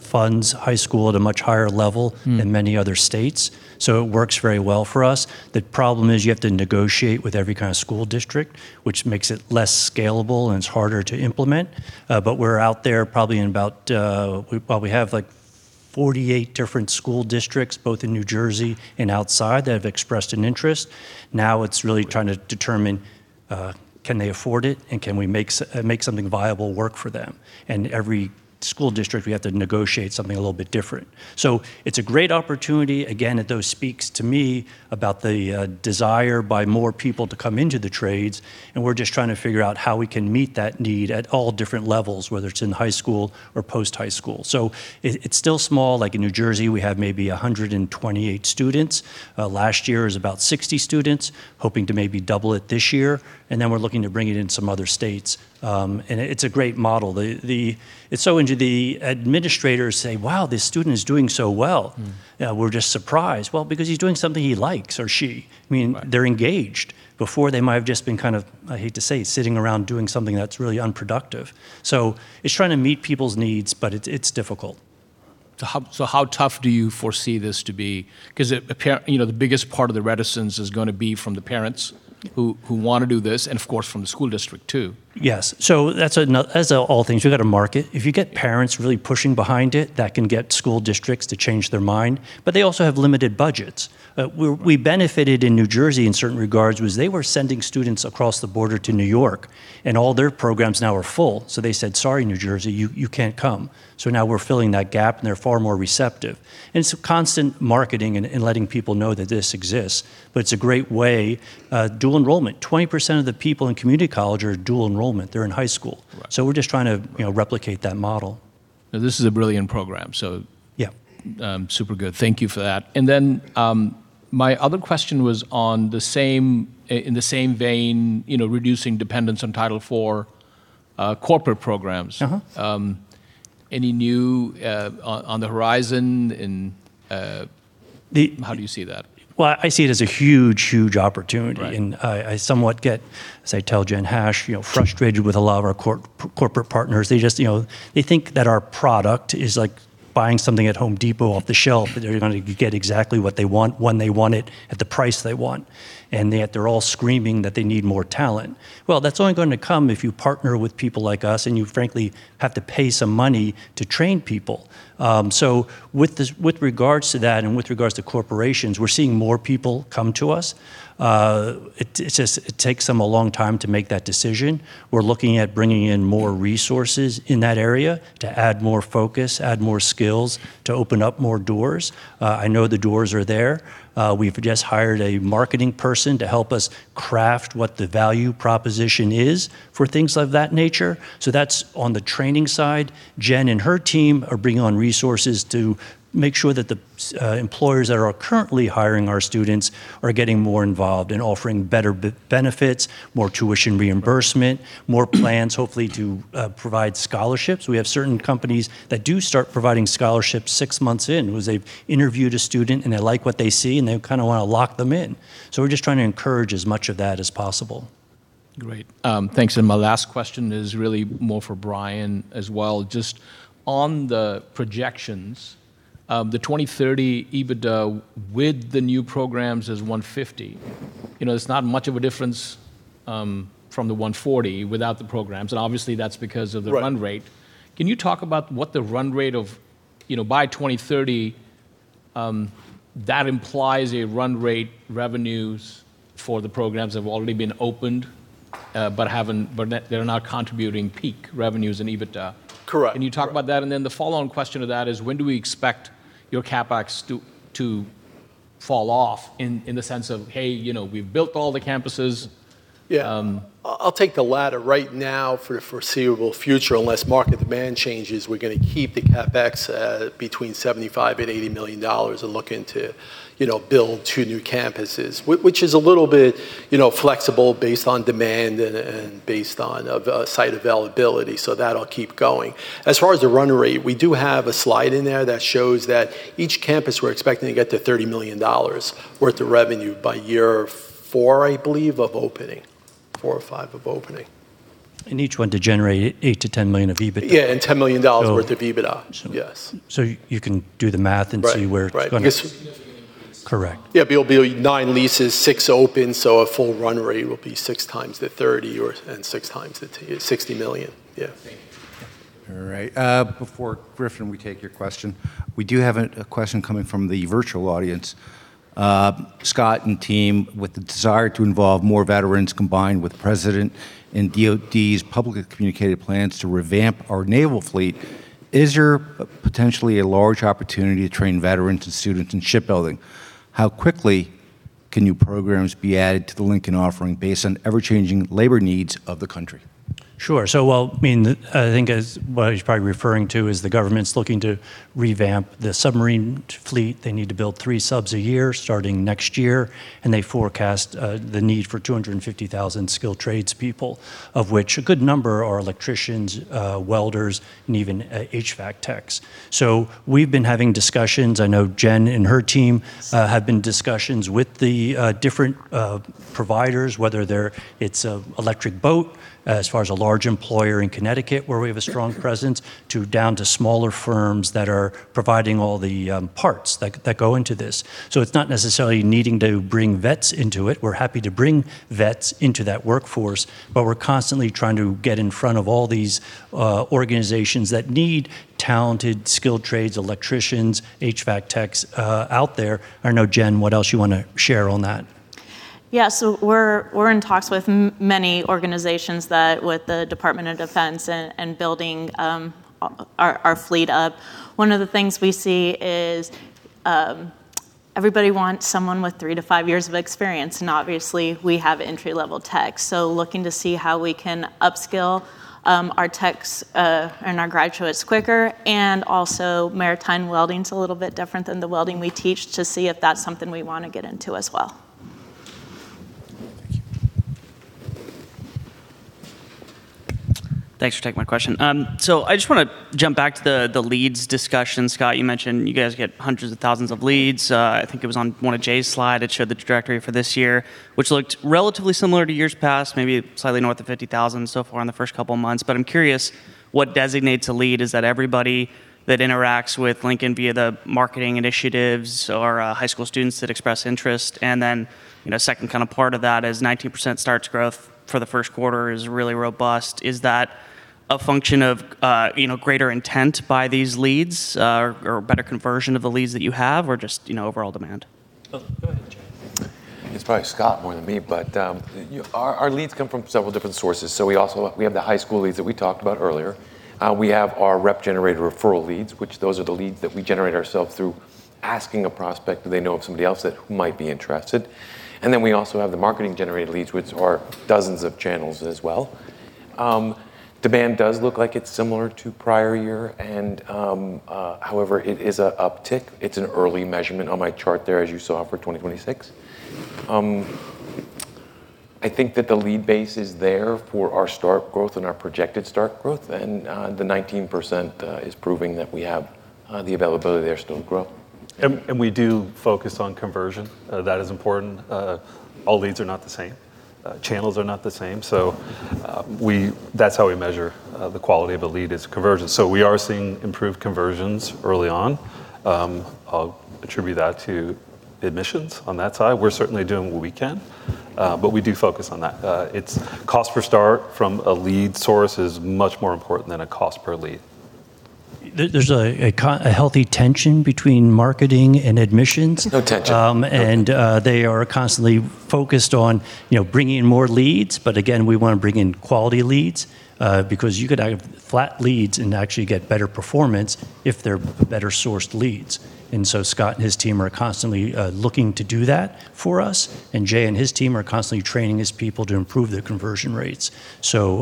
funds high school at a much higher level Than many other states, so it works very well for us. The problem is you have to negotiate with every kind of school district, which makes it less scalable, and it's harder to implement. We're out there probably in about, well, we have, like, 48 different school districts both in New Jersey and outside that have expressed an interest. Now it's really trying to determine, can they afford it, and can we make something viable work for them? Every school district, we have to negotiate something a little bit different. It's a great opportunity. Again, it does speaks to me about the desire by more people to come into the trades, and we're just trying to figure out how we can meet that need at all different levels, whether it's in high school or post-high school. It's still small. Like, in New Jersey, we have maybe 128 students. Last year it was about 60 students. Hoping to maybe double it this year, and then we're looking to bring it in some other states. It's a great model. The administrators say, "Wow, this student is doing so well. Yeah, we're just surprised." Well, because he's doing something he likes, or she. I mean. Right They're engaged. Before, they might have just been kind of, I hate to say, sitting around doing something that's really unproductive. It's trying to meet people's needs, but it's difficult. How tough do you foresee this to be? 'Cause it appears, you know, the biggest part of the reticence is gonna be from the parents who wanna do this and, of course, from the school district too. Yes. That's all things, you got to market. If you get parents really pushing behind it, that can get school districts to change their mind. They also have limited budgets. We benefited in New Jersey in certain regards was they were sending students across the border to New York, and all their programs now are full. They said, "Sorry, New Jersey, you can't come." Now we're filling that gap, and they're far more receptive. It's constant marketing and letting people know that this exists, but it's a great way. Dual enrollment. 20% of the people in community college are dual enrollment. They're in high school. Right. We're just trying to, you know, replicate that model. This is a brilliant program. Yeah Super good. Thank you for that. My other question was on the same, in the same vein, you know, reducing dependence on Title IV, corporate programs. Any new on the horizon in. How do you see that? Well, I see it as a huge, huge opportunity. Right. I somewhat get, as I tell Jennifer Hoff, you know, frustrated with a lot of our corporate partners. They just, you know, they think that our product is like buying something at Home Depot off the shelf. They're gonna get exactly what they want when they want it at the price they want, and yet they're all screaming that they need more talent. Well, that's only going to come if you partner with people like us, and you frankly have to pay some money to train people. With this, with regards to that and with regards to corporations, we're seeing more people come to us. It just takes them a long time to make that decision. We're looking at bringing in more resources in that area to add more focus, add more skills, to open up more doors. I know the doors are there. We've just hired a marketing person to help us craft what the value proposition is for things of that nature. That's on the training side. Jen and her team are bringing on resources to make sure that the employers that are currently hiring our students are getting more involved and offering better benefits, more tuition reimbursement, more plans hopefully to provide scholarships. We have certain companies that do start providing scholarships six months in, once they've interviewed a student, and they like what they see, and they kinda wanna lock them in. We're just trying to encourage as much of that as possible. Great. Thanks. My last question is really more for Brian as well. Just on the projections, the 2030 EBITDA with the new programs is $150. You know, there's not much of a difference from the $140 without the programs, and obviously that's because of the run rate. Right. Can you talk about what the run rate of, you know, by 2030- That implies a run rate revenues for the programs have already been opened, but they're not contributing peak revenues and EBITDA. Correct. Can you talk about that? Then the follow-on question to that is when do we expect your CapEx to fall off in the sense of, hey, you know, we've built all the campuses? Yeah. I'll take the latter. Right now for the foreseeable future, unless market demand changes, we're gonna keep the CapEx between $75 million-$80 million and looking to, you know, build 2 new campuses, which is a little bit, you know, flexible based on demand and based on a site availability. That'll keep going. As far as the run rate, we do have a slide in there that shows that each campus we're expecting to get to $30 million worth of revenue by year 4, I believe, of opening. 4 or 5 of opening. Each one to generate $8 million-$10 million of EBITDA. Yeah, $10 million worth of EBITDA. Yes. You can do the math and see where it's gonna Right. Right. [inaudible] Correct. Yeah. There will be 9 leases, 6 open, so a full run rate will be 6 times the $30 million or $60 million. Yeah. Thank you. All right. Before, Griffin, we take your question, we do have a question coming from the virtual audience. Scott and team, with the desire to involve more veterans combined with President and DOD's publicly communicated plans to revamp our naval fleet, is there potentially a large opportunity to train veterans and students in shipbuilding? How quickly can new programs be added to the Lincoln offering based on ever-changing labor needs of the country? Sure. Well, I mean, I think what he's probably referring to is the government's looking to revamp the submarine fleet. They need to build 3 subs a year starting next year, and they forecast the need for 250,000 skilled tradespeople, of which a good number are electricians, welders, and even HVAC techs. We've been having discussions. I know Jen and her team have been in discussions with the different providers, whether it's Electric Boat, as far as a large employer in Connecticut where we have a strong presence, down to smaller firms that are providing all the parts that go into this. It's not necessarily needing to bring vets into it. We're happy to bring vets into that workforce, but we're constantly trying to get in front of all these organizations that need talented, skilled trades, electricians, HVAC techs out there. I don't know, Jen, what else you wanna share on that. Yeah. We're in talks with many organizations, with the Department of Defense, and building our fleet up. One of the things we see is everybody wants someone with three to five years of experience, and obviously, we have entry-level techs. Looking to see how we can upskill our techs and our graduates quicker. Maritime welding is a little bit different than the welding we teach to see if that's something we wanna get into as well. Thank you. Thanks for taking my question. So I just wanna jump back to the leads discussion. Scott, you mentioned you guys get hundreds of thousands of leads. I think it was on one of Jay's slide. It showed the trajectory for this year, which looked relatively similar to years past, maybe slightly north of 50,000 so far in the first couple of months. I'm curious what designates a lead. Is that everybody that interacts with Lincoln via the marketing initiatives or high school students that express interest? You know, second kinda part of that is 19% starts growth for the Q1 is really robust. Is that a function of you know, greater intent by these leads or better conversion of the leads that you have or just you know, overall demand? Oh, go ahead, Jay. It's probably Scott more than me, but, you know, our leads come from several different sources. We also have the high school leads that we talked about earlier. We have our rep-generated referral leads, which those are the leads that we generate ourselves through asking a prospect, do they know of somebody else that who might be interested. We also have the marketing-generated leads, which are dozens of channels as well. Demand does look like it's similar to prior year and, however, it is an uptick. It's an early measurement on my chart there, as you saw, for 2026. I think that the lead base is there for our start growth and our projected start growth, and the 19% is proving that we have the availability there to still grow. We do focus on conversion. That is important. All leads are not the same. Channels are not the same. That's how we measure the quality of a lead is conversion. We are seeing improved conversions early on. I'll attribute that to admissions on that side. We're certainly doing what we can, but we do focus on that. It's cost per start from a lead source is much more important than a cost per lead. There's a healthy tension between marketing and admissions. No tension. They are constantly focused on, you know, bringing in more leads. Again, we wanna bring in quality leads, because you could have flat leads and actually get better performance if they're better sourced leads. Scott and his team are constantly looking to do that for us, and Jay and his team are constantly training his people to improve their conversion rates.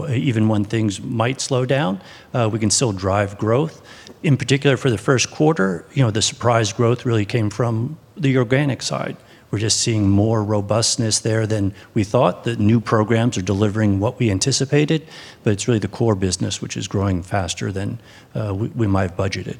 Even when things might slow down, we can still drive growth. In particular, for the Q1, you know, the surprise growth really came from the organic side. We're just seeing more robustness there than we thought. The new programs are delivering what we anticipated, but it's really the core business which is growing faster than we might have budgeted.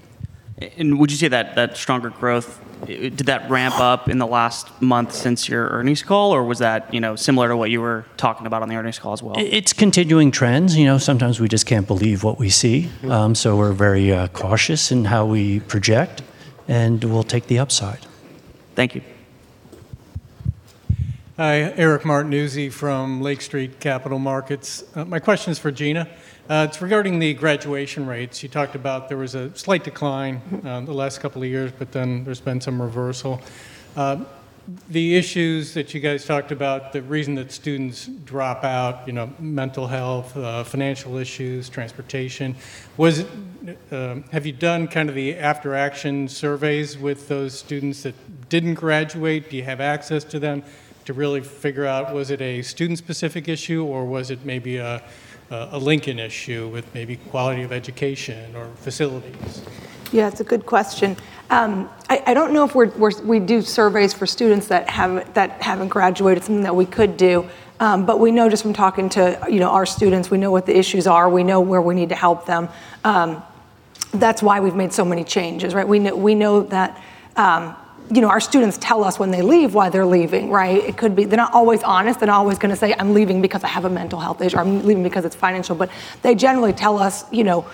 Would you say that stronger growth, did that ramp up in the last month since your earnings call, or was that, you know, similar to what you were talking about on the earnings call as well? It's continuing trends. You know, sometimes we just can't believe what we see. We're very cautious in how we project, and we'll take the upside. Thank you. Hi, Eric Martinuzzi from Lake Street Capital Markets. My questions for Gina. It's regarding the graduation rates. You talked about there was a slight decline the last couple of years, but then there's been some reversal. The issues that you guys talked about, the reason that students drop out, you know, mental health, financial issues, transportation. Have you done kind of the after action surveys with those students that didn't graduate? Do you have access to them to really figure out was it a student-specific issue, or was it maybe a Lincoln issue with maybe quality of education or facilities? Yeah, it's a good question. I don't know if we do surveys for students that haven't graduated, something that we could do. But we know just from talking to, you know, our students, we know what the issues are, we know where we need to help them. That's why we've made so many changes, right? We know that, you know, our students tell us when they leave why they're leaving, right? It could be they're not always honest. They're not always gonna say, "I'm leaving because I have a mental health issue," or, "I'm leaving because it's financial." They generally tell us, you know,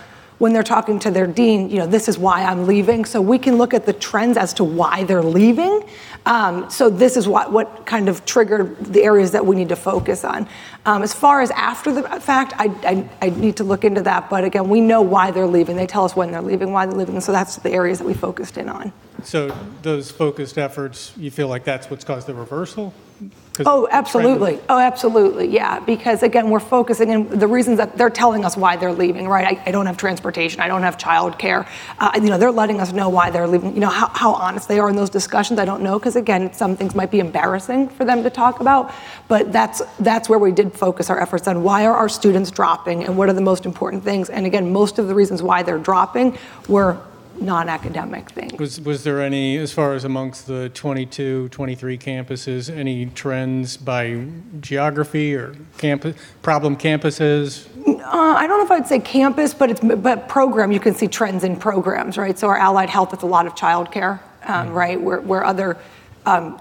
when they're talking to their dean, you know, "This is why I'm leaving." We can look at the trends as to why they're leaving. This is what kind of triggered the areas that we need to focus on. As far as after the fact, I'd need to look into that, but again, we know why they're leaving. They tell us when they're leaving, why they're leaving, so that's the areas that we focused in on. Those focused efforts, you feel like that's what's caused the reversal? Oh, absolutely. Yeah, because again, we're focusing on the reasons that they're telling us why they're leaving, right? I don't have transportation. I don't have childcare. And you know, they're letting us know why they're leaving. You know, how honest they are in those discussions, I don't know, 'cause again, some things might be embarrassing for them to talk about, but that's where we did focus our efforts on why are our students dropping, and what are the most important things. Again, most of the reasons why they're dropping were non-academic things. Was there, as far as among the 22-23 campuses, any trends by geography or campus, problem campuses? I don't know if I'd say campus, but program, you can see trends in programs, right? Our allied health with a lot of childcare, right, where other,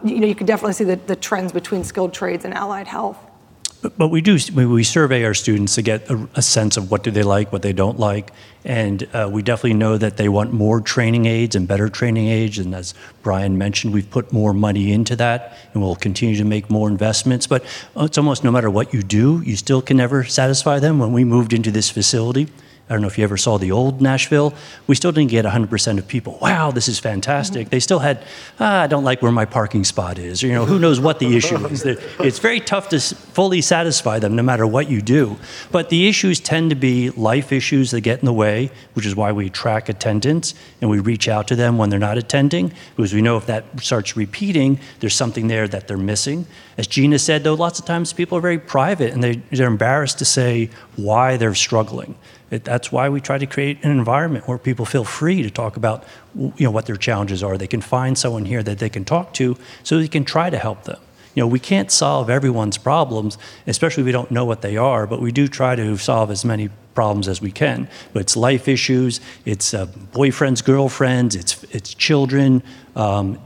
you know, you can definitely see the trends between skilled trades and allied health. We survey our students to get a sense of what they like, what they don't like, and we definitely know that they want more training aids and better training aids. As Brian mentioned, we've put more money into that, and we'll continue to make more investments. It's almost no matter what you do, you still can never satisfy them. When we moved into this facility, I don't know if you ever saw the old Nashville. We still didn't get 100% of people, "Wow, this is fantastic. They still had, "I don't like where my parking spot is," or, you know, who knows what the issue is. It's very tough to fully satisfy them no matter what you do, but the issues tend to be life issues that get in the way, which is why we track attendance, and we reach out to them when they're not attending, because we know if that starts repeating, there's something there that they're missing. As Gina said, though, lots of times people are very private, and they're embarrassed to say why they're struggling. That's why we try to create an environment where people feel free to talk about you know, what their challenges are. They can find someone here that they can talk to, so we can try to help them. You know, we can't solve everyone's problems, and especially we don't know what they are, but we do try to solve as many problems as we can. It's life issues. It's boyfriends, girlfriends, it's children,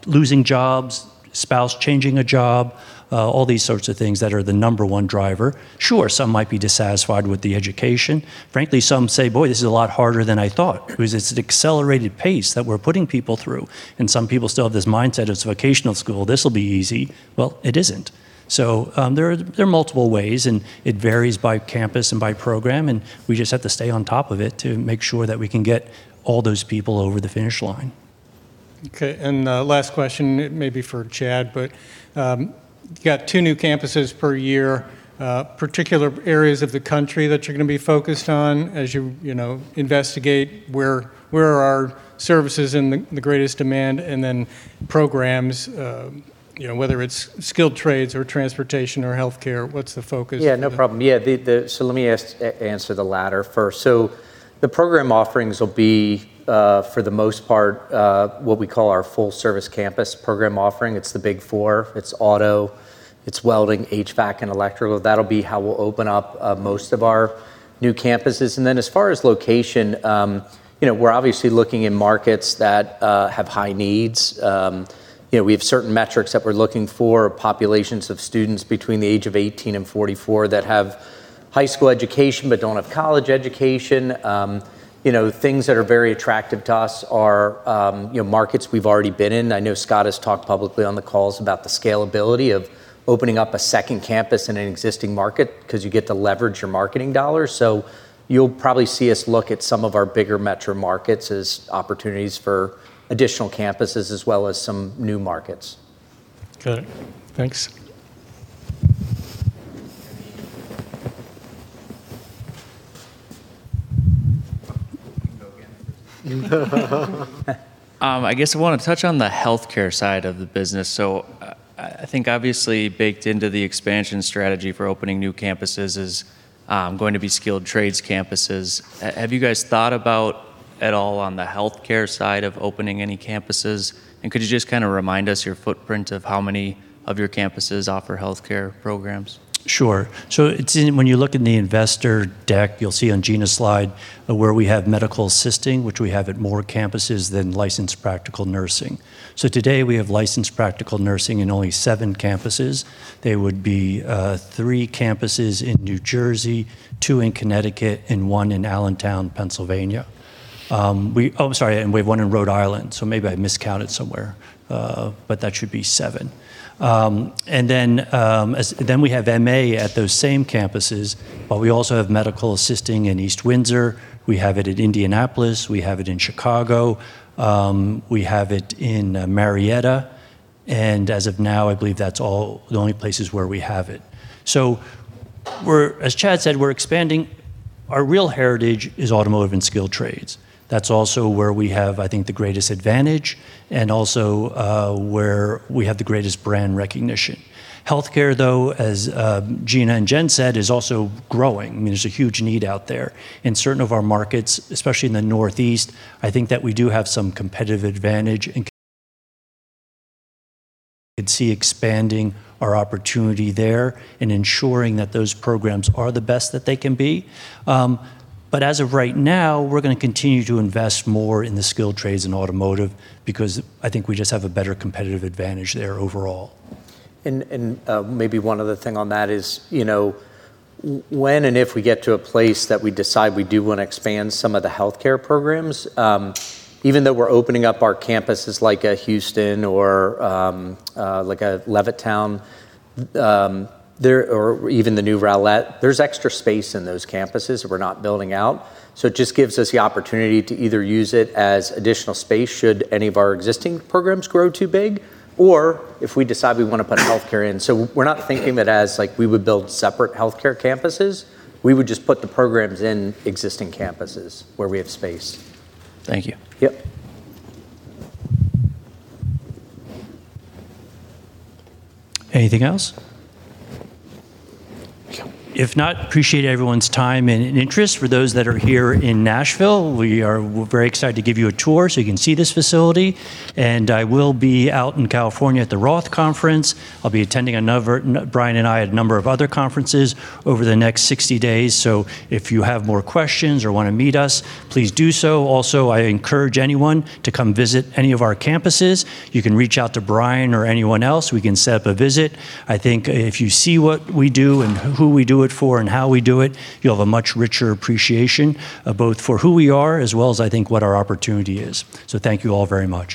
losing jobs, spouse changing a job, all these sorts of things that are the number one driver. Sure, some might be dissatisfied with the education. Frankly, some say, "Boy, this is a lot harder than I thought." Because it's an accelerated pace that we're putting people through, and some people still have this mindset, it's a vocational school, this'll be easy. Well, it isn't. There are multiple ways, and it varies by campus and by program, and we just have to stay on top of it to make sure that we can get all those people over the finish line. Okay, last question, it may be for Chad, but you got 2 new campuses per year. Particular areas of the country that you're gonna be focused on as you know, investigate where are our services in the greatest demand? Then programs, you know, whether it's skilled trades or transportation or healthcare, what's the focus for the- Yeah, no problem. Yeah. Let me answer the latter first. The program offerings will be, for the most part, what we call our full-service campus program offering. It's the big four. It's auto, it's welding, HVAC, and electrical. That'll be how we'll open up most of our new campuses. As far as location, you know, we're obviously looking in markets that have high needs. You know, we have certain metrics that we're looking for, populations of students between the age of 18 and 44 that have high school education but don't have college education. You know, things that are very attractive to us are, you know, markets we've already been in. I know Scott has talked publicly on the calls about the scalability of opening up a second campus in an existing market because you get to leverage your marketing dollars. You'll probably see us look at some of our bigger metro markets as opportunities for additional campuses as well as some new markets. Okay. Thanks. You can go again. I guess I wanna touch on the healthcare side of the business. I think obviously baked into the expansion strategy for opening new campuses is going to be skilled trades campuses. Have you guys thought about at all on the healthcare side of opening any campuses? Could you just kinda remind us your footprint of how many of your campuses offer healthcare programs? Sure. When you look in the investor deck, you'll see on Gina's slide where we have medical assisting, which we have at more campuses than licensed practical nursing. Today, we have licensed practical nursing in only seven campuses. They would be three campuses in New Jersey, two in Connecticut, one in Allentown, Pennsylvania, and one in Rhode Island, so maybe I miscounted somewhere, but that should be seven. Then we have MA at those same campuses, but we also have medical assisting in East Windsor, we have it at Indianapolis, we have it in Chicago, we have it in Marietta. As of now, I believe that's all the only places where we have it. As Chad said, we're expanding. Our real heritage is automotive and skilled trades. That's also where we have, I think, the greatest advantage and also where we have the greatest brand recognition. Healthcare, though, as Gina and Jen said, is also growing. I mean, there's a huge need out there. In certain of our markets, especially in the Northeast, I think that we do have some competitive advantage and can see expanding our opportunity there and ensuring that those programs are the best that they can be. But as of right now, we're gonna continue to invest more in the skilled trades and automotive because I think we just have a better competitive advantage there overall. Maybe one other thing on that is, you know, when and if we get to a place that we decide we do wanna expand some of the healthcare programs, even though we're opening up our campuses like a Houston or like a Levittown or even the new Rowlett, there's extra space in those campuses that we're not building out. It just gives us the opportunity to either use it as additional space should any of our existing programs grow too big or if we decide we wanna put healthcare in. We're not thinking that as, like, we would build separate healthcare campuses. We would just put the programs in existing campuses where we have space. Thank you. Yep. Anything else? If not, appreciate everyone's time and interest. For those that are here in Nashville, we are very excited to give you a tour so you can see this facility. I will be out in California at the Roth Conference. I'll be attending, Brian and I, a number of other conferences over the next 60 days. If you have more questions or wanna meet us, please do so. Also, I encourage anyone to come visit any of our campuses. You can reach out to Brian or anyone else. We can set up a visit. I think if you see what we do and who we do it for and how we do it, you'll have a much richer appreciation, both for who we are as well as I think what our opportunity is. Thank you all very much.